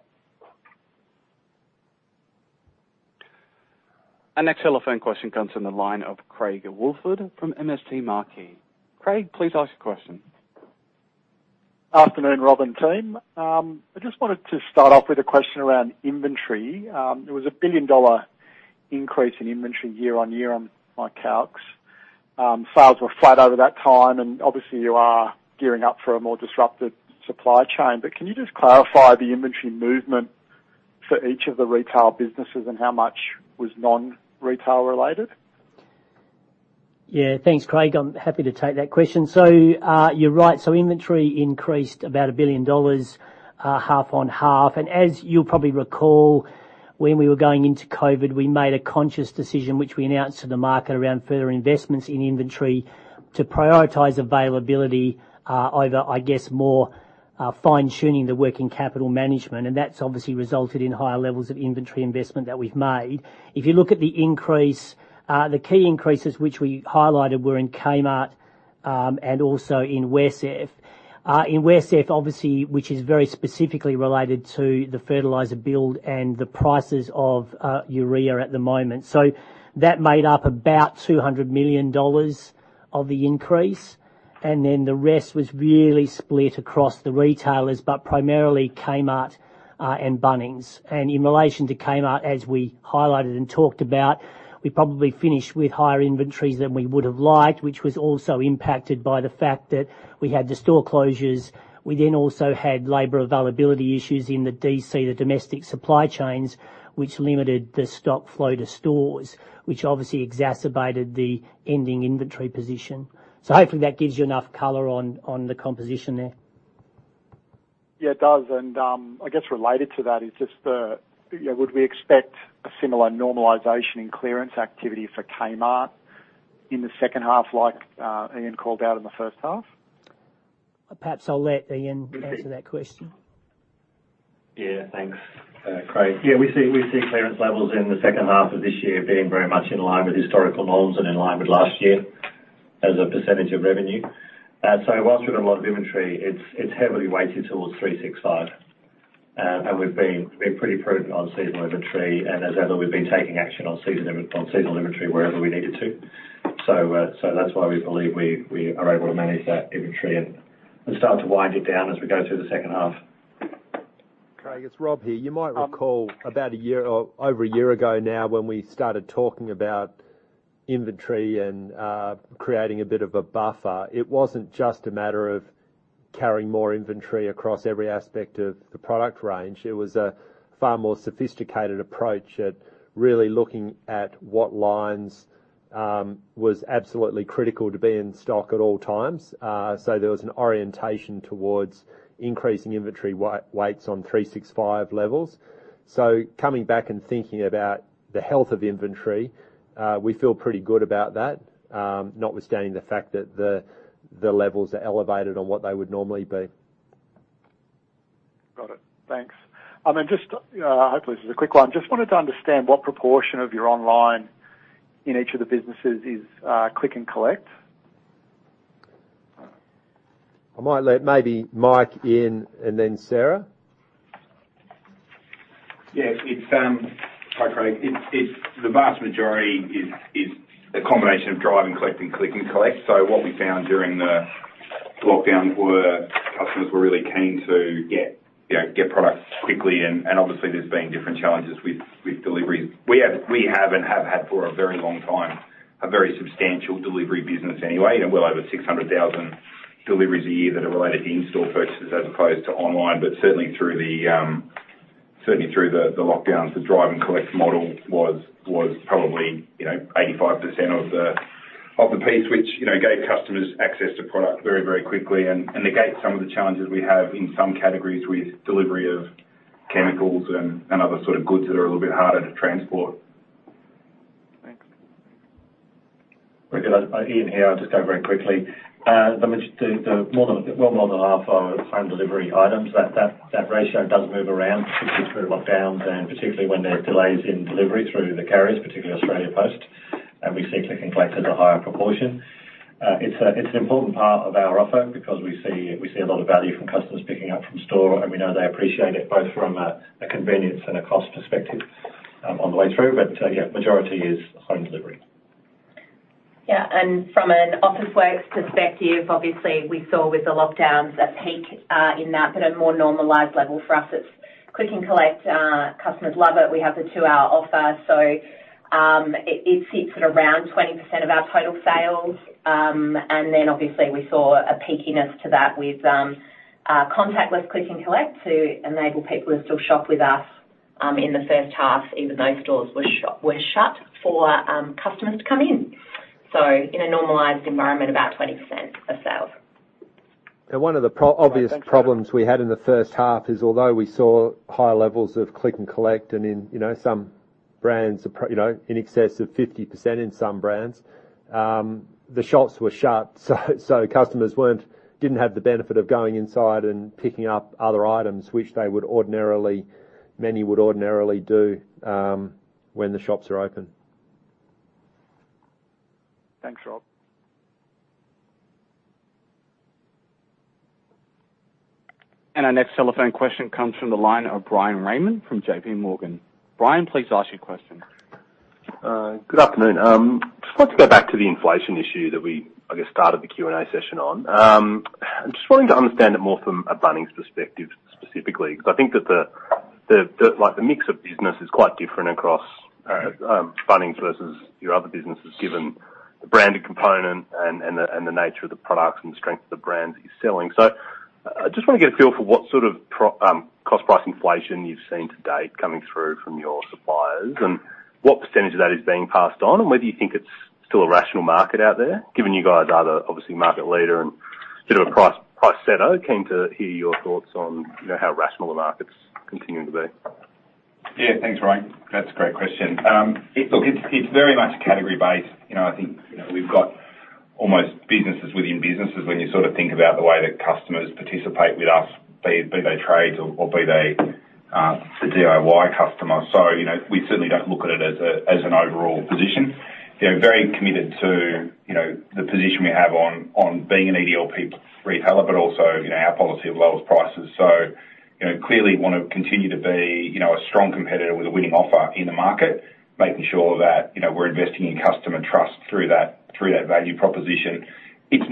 Our next telephone question comes from the line of Craig Woolford from MST Marquee. Craig, please ask your question. Afternoon, Rob and team. I just wanted to start off with a question around inventory. There was an 1 billion dollar increase in inventory year-over-year on my calcs. Sales were flat over that time, and obviously you are gearing up for a more disrupted supply chain. Can you just clarify the inventory movement for each of the retail businesses and how much was non-retail related? Thanks, Craig. I'm happy to take that question. You're right. Inventory increased about 1 billion dollars, half-on-half. As you'll probably recall, when we were going into COVID, we made a conscious decision, which we announced to the market, around further investments in inventory to prioritize availability over, I guess, more fine-tuning the working capital management, and that's obviously resulted in higher levels of inventory investment that we've made. If you look at the increase, the key increases which we highlighted were in Kmart and also in WesCEF. In WesCEF, obviously, which is very specifically related to the Fertilizer build and the prices of urea at the moment. That made up about 200 million dollars of the increase, and then the rest was really split across the retailers, but primarily Kmart and Bunnings. In relation to Kmart, as we highlighted and talked about, we probably finished with higher inventories than we would have liked, which was also impacted by the fact that we had the store closures. We then also had labor availability issues in the DC, the domestic supply chains, which limited the stock flow to stores, which obviously exacerbated the ending inventory position. Hopefully that gives you enough color on the composition there. Yeah, it does. I guess related to that is just the, you know, would we expect a similar normalization in clearance activity for Kmart in the second half, like, Ian called out in the first half? Perhaps I'll let Ian answer that question. Thanks, Craig. We see clearance levels in the second half of this year being very much in line with historical norms and in line with last year as a percentage of revenue. So while we've got a lot of inventory, it's heavily weighted towards 365. We've been pretty prudent on seasonal inventory, and as ever, we've been taking action on seasonal inventory wherever we needed to. That's why we believe we are able to manage that inventory and start to wind it down as we go through the second half. Craig, it's Rob here. You might recall about a year or over a year ago now, when we started talking about inventory and creating a bit of a buffer, it wasn't just a matter of carrying more inventory across every aspect of the product range. It was a far more sophisticated approach at really looking at what lines was absolutely critical to be in stock at all times. There was an orientation towards increasing inventory weights on 365 levels. Coming back and thinking about the health of inventory, we feel pretty good about that, notwithstanding the fact that the levels are elevated on what they would normally be. Got it. Thanks. I mean, just hopefully this is a quick one. Just wanted to understand what proportion of your online in each of the businesses is click and collect. I might let maybe Mike in and then Sarah. Hi, Craig. It's the vast majority is a combination of drive and collect and click and collect. So what we found during the lockdowns were customers really keen to get products quickly, and obviously there's been different challenges with delivery. We have and have had for a very long time a very substantial delivery business anyway, well over 600,000 deliveries a year that are related to in-store purchases as opposed to online. Certainly through the lockdowns, the drive and collect model was probably 85% of the piece, which gave customers access to product very quickly and negate some of the challenges we have in some categories with delivery of chemicals and other sort of goods that are a little bit harder to transport. Thanks. Very good. Ian here, I'll just go very quickly. I mean, well more than half are home delivery items. That ratio does move around, particularly through lockdowns and particularly when there are delays in delivery through the carriers, particularly Australia Post, and we see click and collect as a higher proportion. It's an important part of our offer because we see a lot of value from customers picking up from store, and we know they appreciate it both from a convenience and a cost perspective, on the way through, but majority is home delivery. From an Officeworks perspective, obviously we saw with the lockdowns a peak in that. A more normalized level for us, it's click and collect. Customers love it. We have the two-hour offer, so it sits at around 20% of our total sales. Then obviously we saw a peakiness to that with contactless click and collect to enable people to still shop with us in the first half, even though stores were shut for customers to come in. In a normalized environment, about 20% of sales. One of the obvious problems we had in the first half is although we saw higher levels of click and collect and in some brands, in excess of 50% in some brands, the shops were shut, so customers didn't have the benefit of going inside and picking up other items which they would ordinarily, many would ordinarily do, when the shops are open. Thanks, Rob. Our next telephone question comes from the line of Bryan Raymond from JPMorgan. Bryan, please ask your question. Good afternoon. Just want to go back to the inflation issue that we, I guess, started the Q&A session on. I'm just wanting to understand it more from a Bunnings perspective specifically, because I think that the like the mix of business is quite different across Bunnings versus your Other businesses, given the branding component and the nature of the products and the strength of the brands that you're selling. I just want to get a feel for what sort of cost price inflation you've seen to date coming through from your suppliers and what percentage of that is being passed on, and whether you think it's still a rational market out there, given you guys are the, obviously, market leader and sort of a price setter. Keen to hear your thoughts on how rational the market's continuing to be. Thanks, Bryan. That's a great question. Look, it's very much category-based. I think we've got almost businesses within businesses when you sort of think about the way that customers participate with us, be they trades or be they the DIY customer. We certainly don't look at it as an overall position. They're very committed to the position we have on being an EDLP retailer, but also our policy of lowest prices. Clearly wanna continue to be a strong competitor with a winning offer in the market, making sure that we're investing in customer trust through that value proposition. It's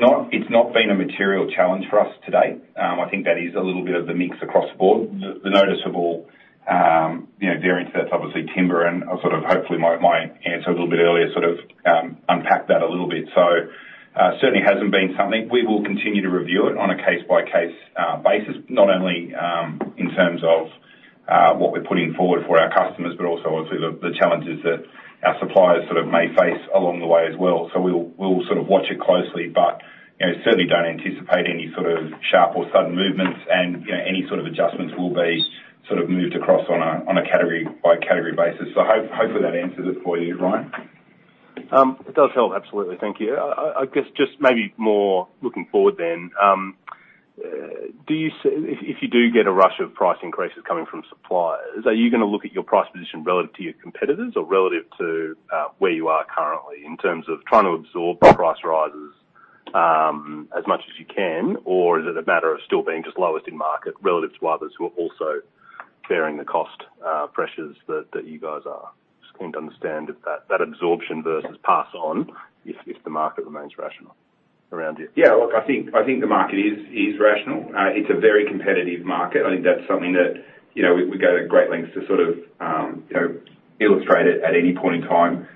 not been a material challenge for us to date. I think that is a little bit of the mix across the board. The noticeable variance that's obviously timber and I sort of hopefully my answer a little bit earlier sort of unpacked that a little bit. Certainly hasn't been something. We will continue to review it on a case-by-case basis, not only in terms of what we're putting forward for our customers, but also obviously the challenges that our suppliers sort of may face along the way as well. We'll sort of watch it closely, but certainly don't anticipate any sort of sharp or sudden movements and any sort of adjustments will be sort of moved across on a category by category basis. Hopefully that answers it for you, Bryan? It does help, absolutely. Thank you. I guess just maybe more looking forward then, do you see if you do get a rush of price increases coming from suppliers, are you gonna look at your price position relative to your competitors or relative to where you are currently in terms of trying to absorb the price rises as much as you can? Or is it a matter of still being just lowest in market relative to others who are also bearing the cost pressures that you guys are? Just keen to understand if that absorption versus pass on if the market remains rational around it. Look, I think the market is rational. It's a very competitive market. I think that's something that we go to great lengths to sort of illustrate it at any point in time.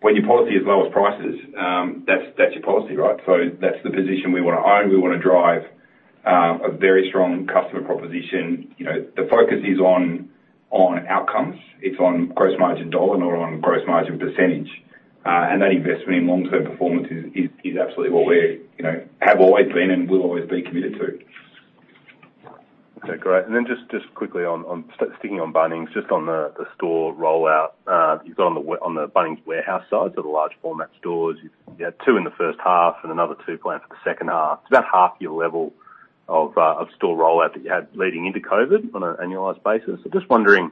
When your policy is lowest prices, that's your policy, right? That's the position we wanna own. We wanna drive a very strong customer proposition. The focus is on outcomes. It's on gross margin dollar, not on gross margin percentage. That investment in long-term performance is absolutely what we're, have always been and will always be committed to. Okay, great. Then just quickly on sticking on Bunnings, just on the store rollout, you've got on the Bunnings Warehouse side, so the large format stores, you had two in the first half and another two planned for the second half. It's about half your level of store rollout that you had leading into COVID on an annualized basis. Just wondering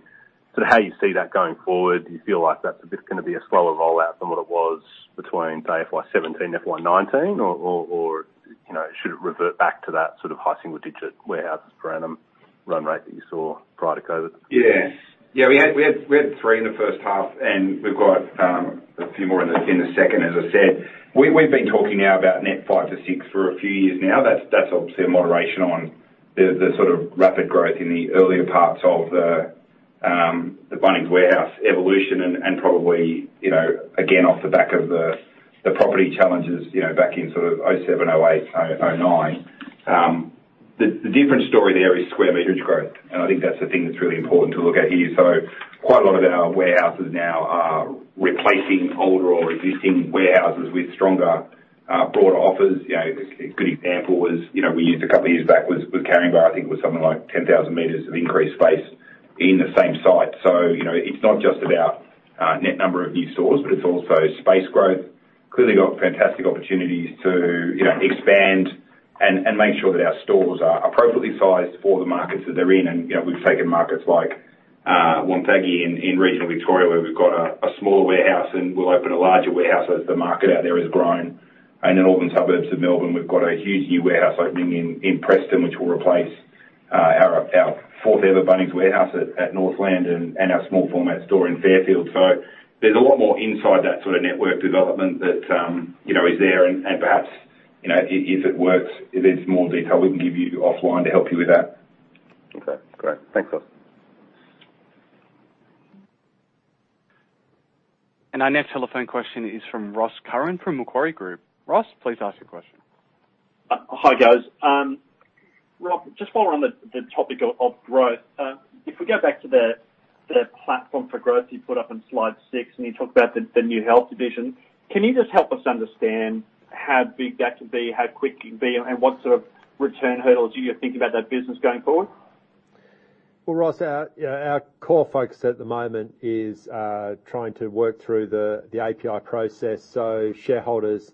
sort of how you see that going forward. Do you feel like that's a bit gonna be a slower rollout than what it was between, say, FY 2017 to FY 2019 or should it revert back to that sort of high single digit warehouses per annum run rate that you saw prior to COVID? We had three in the first half, and we've got a few more in the second, as I said. We've been talking now about net five to six for a few years now. That's obviously a moderation on the sort of rapid growth in the earlier parts of the Bunnings Warehouse evolution and probably, again, off the back of the property challenges, back in sort of 2007, 2008, 2009. The different story there is square meters growth, and I think that's the thing that's really important to look at here. Quite a lot of our warehouses now are replacing older or existing warehouses with stronger, broader offers. A good example was, we used a couple years back, Caringbah, I think, was something like 10,000 m of increased space in the same site. It's not just about net number of new stores, but it's also space growth. Clearly, we've got fantastic opportunities to expand and make sure that our stores are appropriately sized for the markets that they're in. We've taken markets like Wonthaggi in regional Victoria where we've got a smaller warehouse, and we'll open a larger warehouse as the market out there has grown. In northern suburbs of Melbourne, we've got a huge new warehouse opening in Preston, which will replace our fourth ever Bunnings warehouse at Northland and our small format store in Fairfield. There's a lot more inside that sort of network development that is there and perhaps if it works, there's more detail we can give you offline to help you with that. Okay, great. Thanks, a lot. Our next telephone question is from Ross Curran from Macquarie Group. Ross, please ask your question. Hi, guys. Rob, just while we're on the topic of growth, if we go back to the platform for growth you put up on Slide six, and you talked about the new Health Division, can you just help us understand how big that can be, how quick it can be, and what sort of return hurdles are you thinking about that business going forward? Well, Ross, our core focus at the moment is trying to work through the API process, so shareholders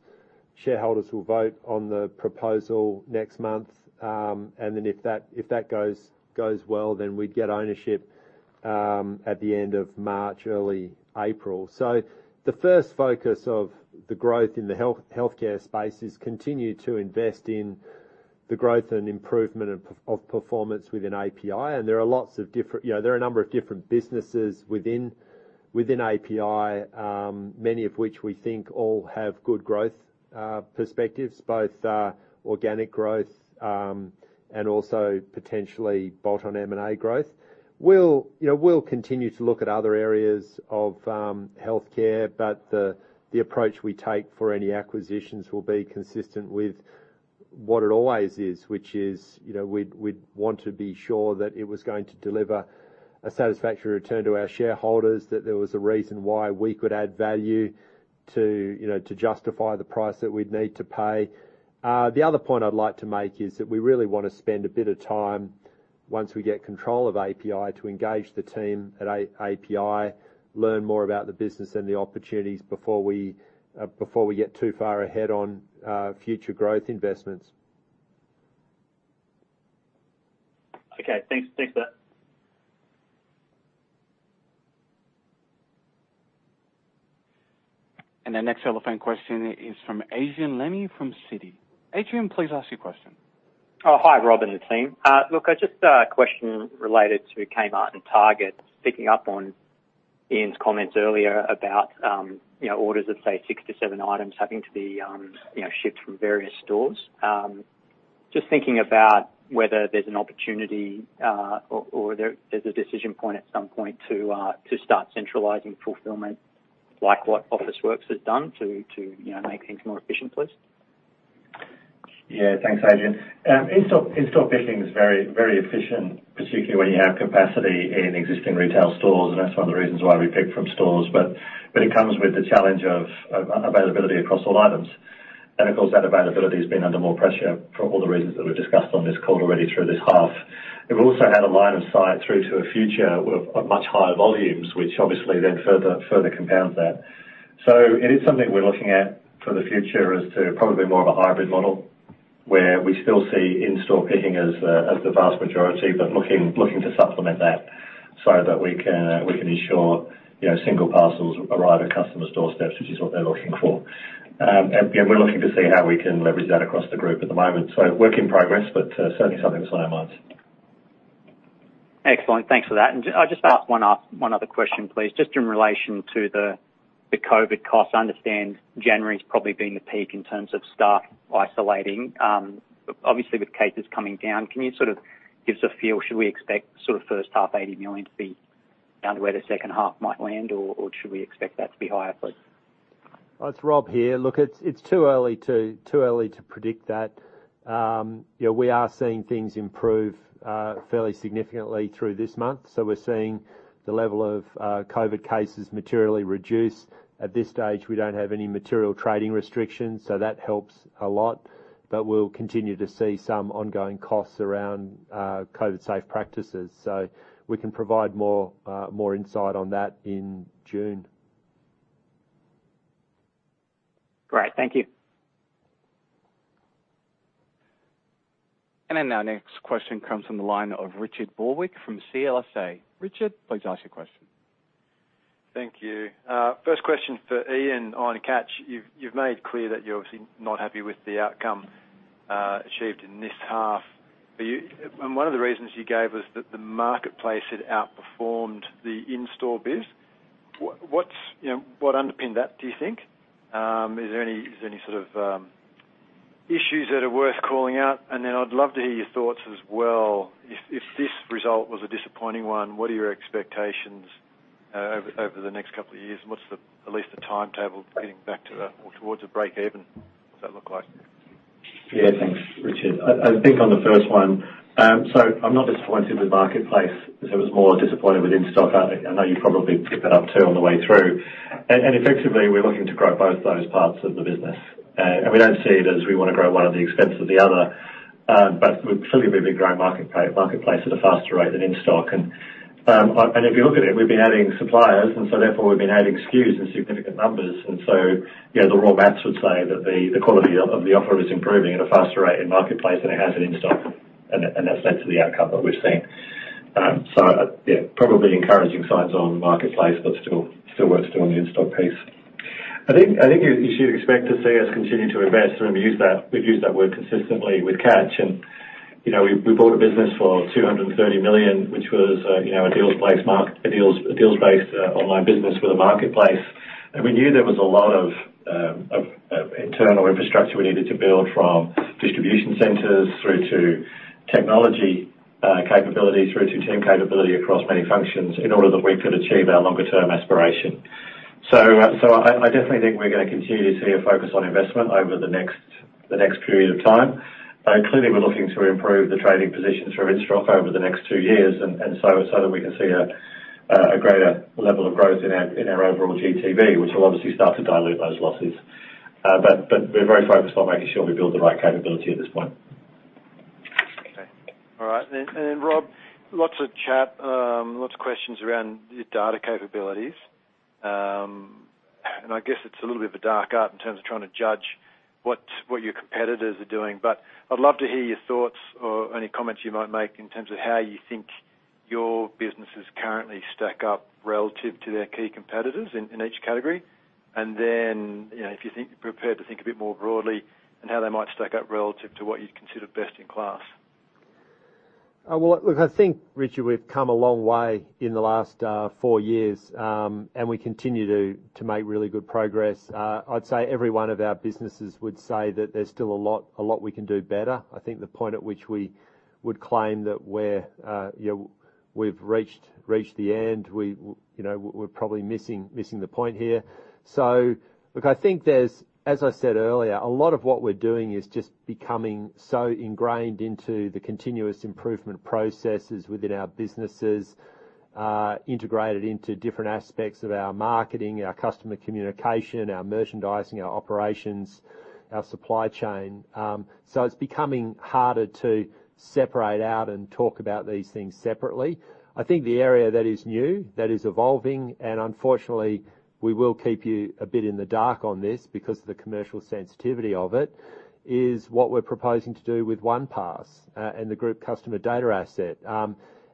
will vote on the proposal next month. Then if that goes well, then we'd get ownership at the end of March, early April. The first focus of the growth in the healthcare space is continue to invest in the growth and improvement of performance within API. There are a number of different businesses within API, many of which we think all have good growth perspectives, both organic growth and also potentially bolt-on M&A growth. We'll continue to look at other areas of healthcare, but the approach we take for any acquisitions will be consistent with what it always is, which is, we'd want to be sure that it was going to deliver a satisfactory return to our shareholders, that there was a reason why we could add value. To justify the price that we'd need to pay. The other point I'd like to make is that we really wanna spend a bit of time once we get control of API to engage the team at API, learn more about the business and the opportunities before we get too far ahead on future growth investments. Okay. Thanks for that. Our next telephone question is from Adrian Lemme from Citi. Adrian, please ask your question. Oh, hi, Rob and the team. Look, I just have a question related to Kmart and Target, picking up on Ian's comments earlier about, orders of, say, six to seven items having to be shipped from various stores. Just thinking about whether there's an opportunity, or there's a decision point at some point to start centralizing fulfillment, like what Officeworks has done to make things more efficient, please. Thanks, Adrian. In-store picking is very efficient, particularly when you have capacity in existing retail stores, and that's one of the reasons why we pick from stores, but it comes with the challenge of availability across all items. Of course, that availability has been under more pressure for all the reasons that we've discussed on this call already through this half. We've also had a line of sight through to a future with much higher volumes, which obviously then further compounds that. It is something we're looking at for the future as to probably more of a hybrid model, where we still see in-store picking as the vast majority, but looking to supplement that so that we can ensure single parcels arrive at customers' doorsteps, which is what they're looking for. Again, we're looking to see how we can leverage that across the Group at the moment. Work in progress, but certainly something that's on our minds. Excellent. Thanks for that. I'll just ask one other question, please. Just in relation to the COVID costs. I understand January's probably been the peak in terms of staff isolating. Obviously with cases coming down, can you sort of give us a feel? Should we expect sort of first half 80 million to be down to where the second half might land or should we expect that to be higher, please? It's Rob here. Look, it's too early to predict that. We are seeing things improve fairly significantly through this month. We're seeing the level of COVID cases materially reduce. At this stage, we don't have any material trading restrictions, so that helps a lot. We'll continue to see some ongoing costs around COVID safe practices. We can provide more insight on that in June. Great. Thank you. Our next question comes from the line of Richard Barwick from CLSA. Richard, please ask your question. Thank you. First question for Ian on Catch. You've made clear that you're obviously not happy with the outcome achieved in this half. One of the reasons you gave was that the marketplace had outperformed the In-Store biz. What underpinned that, do you think? Is there any sort of issues that are worth calling out? I'd love to hear your thoughts as well. If this result was a disappointing one, what are your expectations over the next couple of years? What's at least the timetable getting back to or towards a break-even? What's that look like? Thanks, Richard. I think on the first one, so I'm not disappointed with marketplace as I was more disappointed with in-stock. I know you probably picked that up, too, on the way through. Effectively, we're looking to grow both those parts of the business. We don't see it as we wanna grow one at the expense of the other, but we're clearly gonna be growing marketplace at a faster rate than in-stock. If you look at it, we've been adding suppliers, and so therefore we've been adding SKUs in significant numbers. The raw math would say that the quality of the offer is improving at a faster rate in marketplace than it has in in-stock, and that's led to the outcome that we're seeing. Probably encouraging signs on marketplace, but still work to do on the in-stock piece. I think you should expect to see us continue to invest, and we've used that word consistently with Catch. We bought a business for 230 million, which was a deals-based online business with a marketplace. We knew there was a lot of internal infrastructure we needed to build, from distribution centers through to technology capability through to team capability across many functions in order that we could achieve our longer term aspiration. I definitely think we're gonna continue to see a focus on investment over the next period of time. Clearly we're looking to improve the trading positions for in-stock over the next two years and so that we can see a greater level of growth in our overall GTV, which will obviously start to dilute those losses. We're very focused on making sure we build the right capability at this point. Okay. All right. Rob, lots of chat, lots of questions around your data capabilities. I guess it's a little bit of a dark art in terms of trying to judge what your competitors are doing. I'd love to hear your thoughts or any comments you might make in terms of how you think your businesses currently stack up relative to their key competitors in each category. If you think, prepare to think a bit more broadly on how they might stack up relative to what you'd consider best in class? Well, look, I think, Richard, we've come a long way in the last four years, and we continue to make really good progress. I'd say every one of our businesses would say that there's still a lot we can do better. I think the point at which we would claim that we're, we've reached the end, we're probably missing the point here. Look, I think there's, as I said earlier, a lot of what we're doing is just becoming so ingrained into the continuous improvement processes within our businesses, integrated into different aspects of our marketing, our customer communication, our merchandising, our operations, our supply chain. It's becoming harder to separate out and talk about these things separately. I think the area that is new, that is evolving, and unfortunately we will keep you a bit in the dark on this because of the commercial sensitivity of it, is what we're proposing to do with OnePass and the Group customer data asset.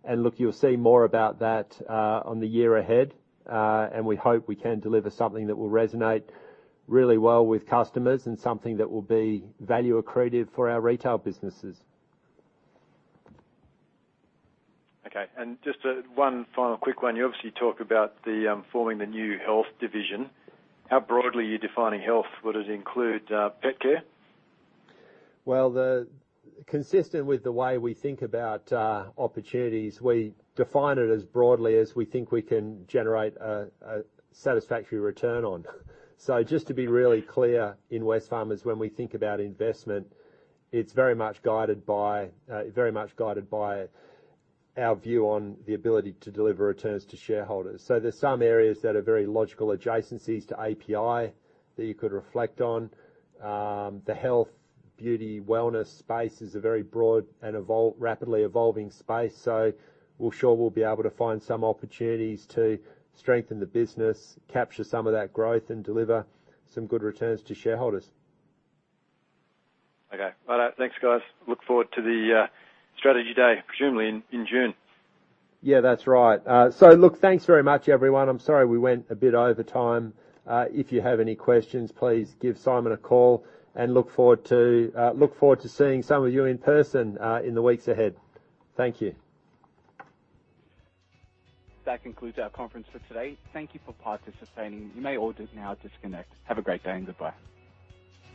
Look, you'll see more about that on the year ahead. We hope we can deliver something that will resonate really well with customers and something that will be value accretive for our Retail businesses. Okay. Just one final quick one. You obviously talk about the forming the new Health Division. How broadly are you defining Health? Would it include pet care? Consistent with the way we think about opportunities, we define it as broadly as we think we can generate a satisfactory return on. Just to be really clear, in Wesfarmers, when we think about investment, it's very much guided by our view on the ability to deliver returns to shareholders. There's some areas that are very logical adjacencies to API that you could reflect on. The health, beauty, wellness space is a very broad and rapidly evolving space, so we're sure we'll be able to find some opportunities to strengthen the business, capture some of that growth, and deliver some good returns to shareholders. Okay. All right. Thanks, guys. Look forward to the Strategy Day, presumably in June. That's right. So look, thanks very much, everyone. I'm sorry we went a bit over time. If you have any questions, please give Simon a call, and look forward to seeing some of you in person in the weeks ahead. Thank you. That concludes our conference for today. Thank you for participating. You may all now disconnect. Have a great day, and goodbye.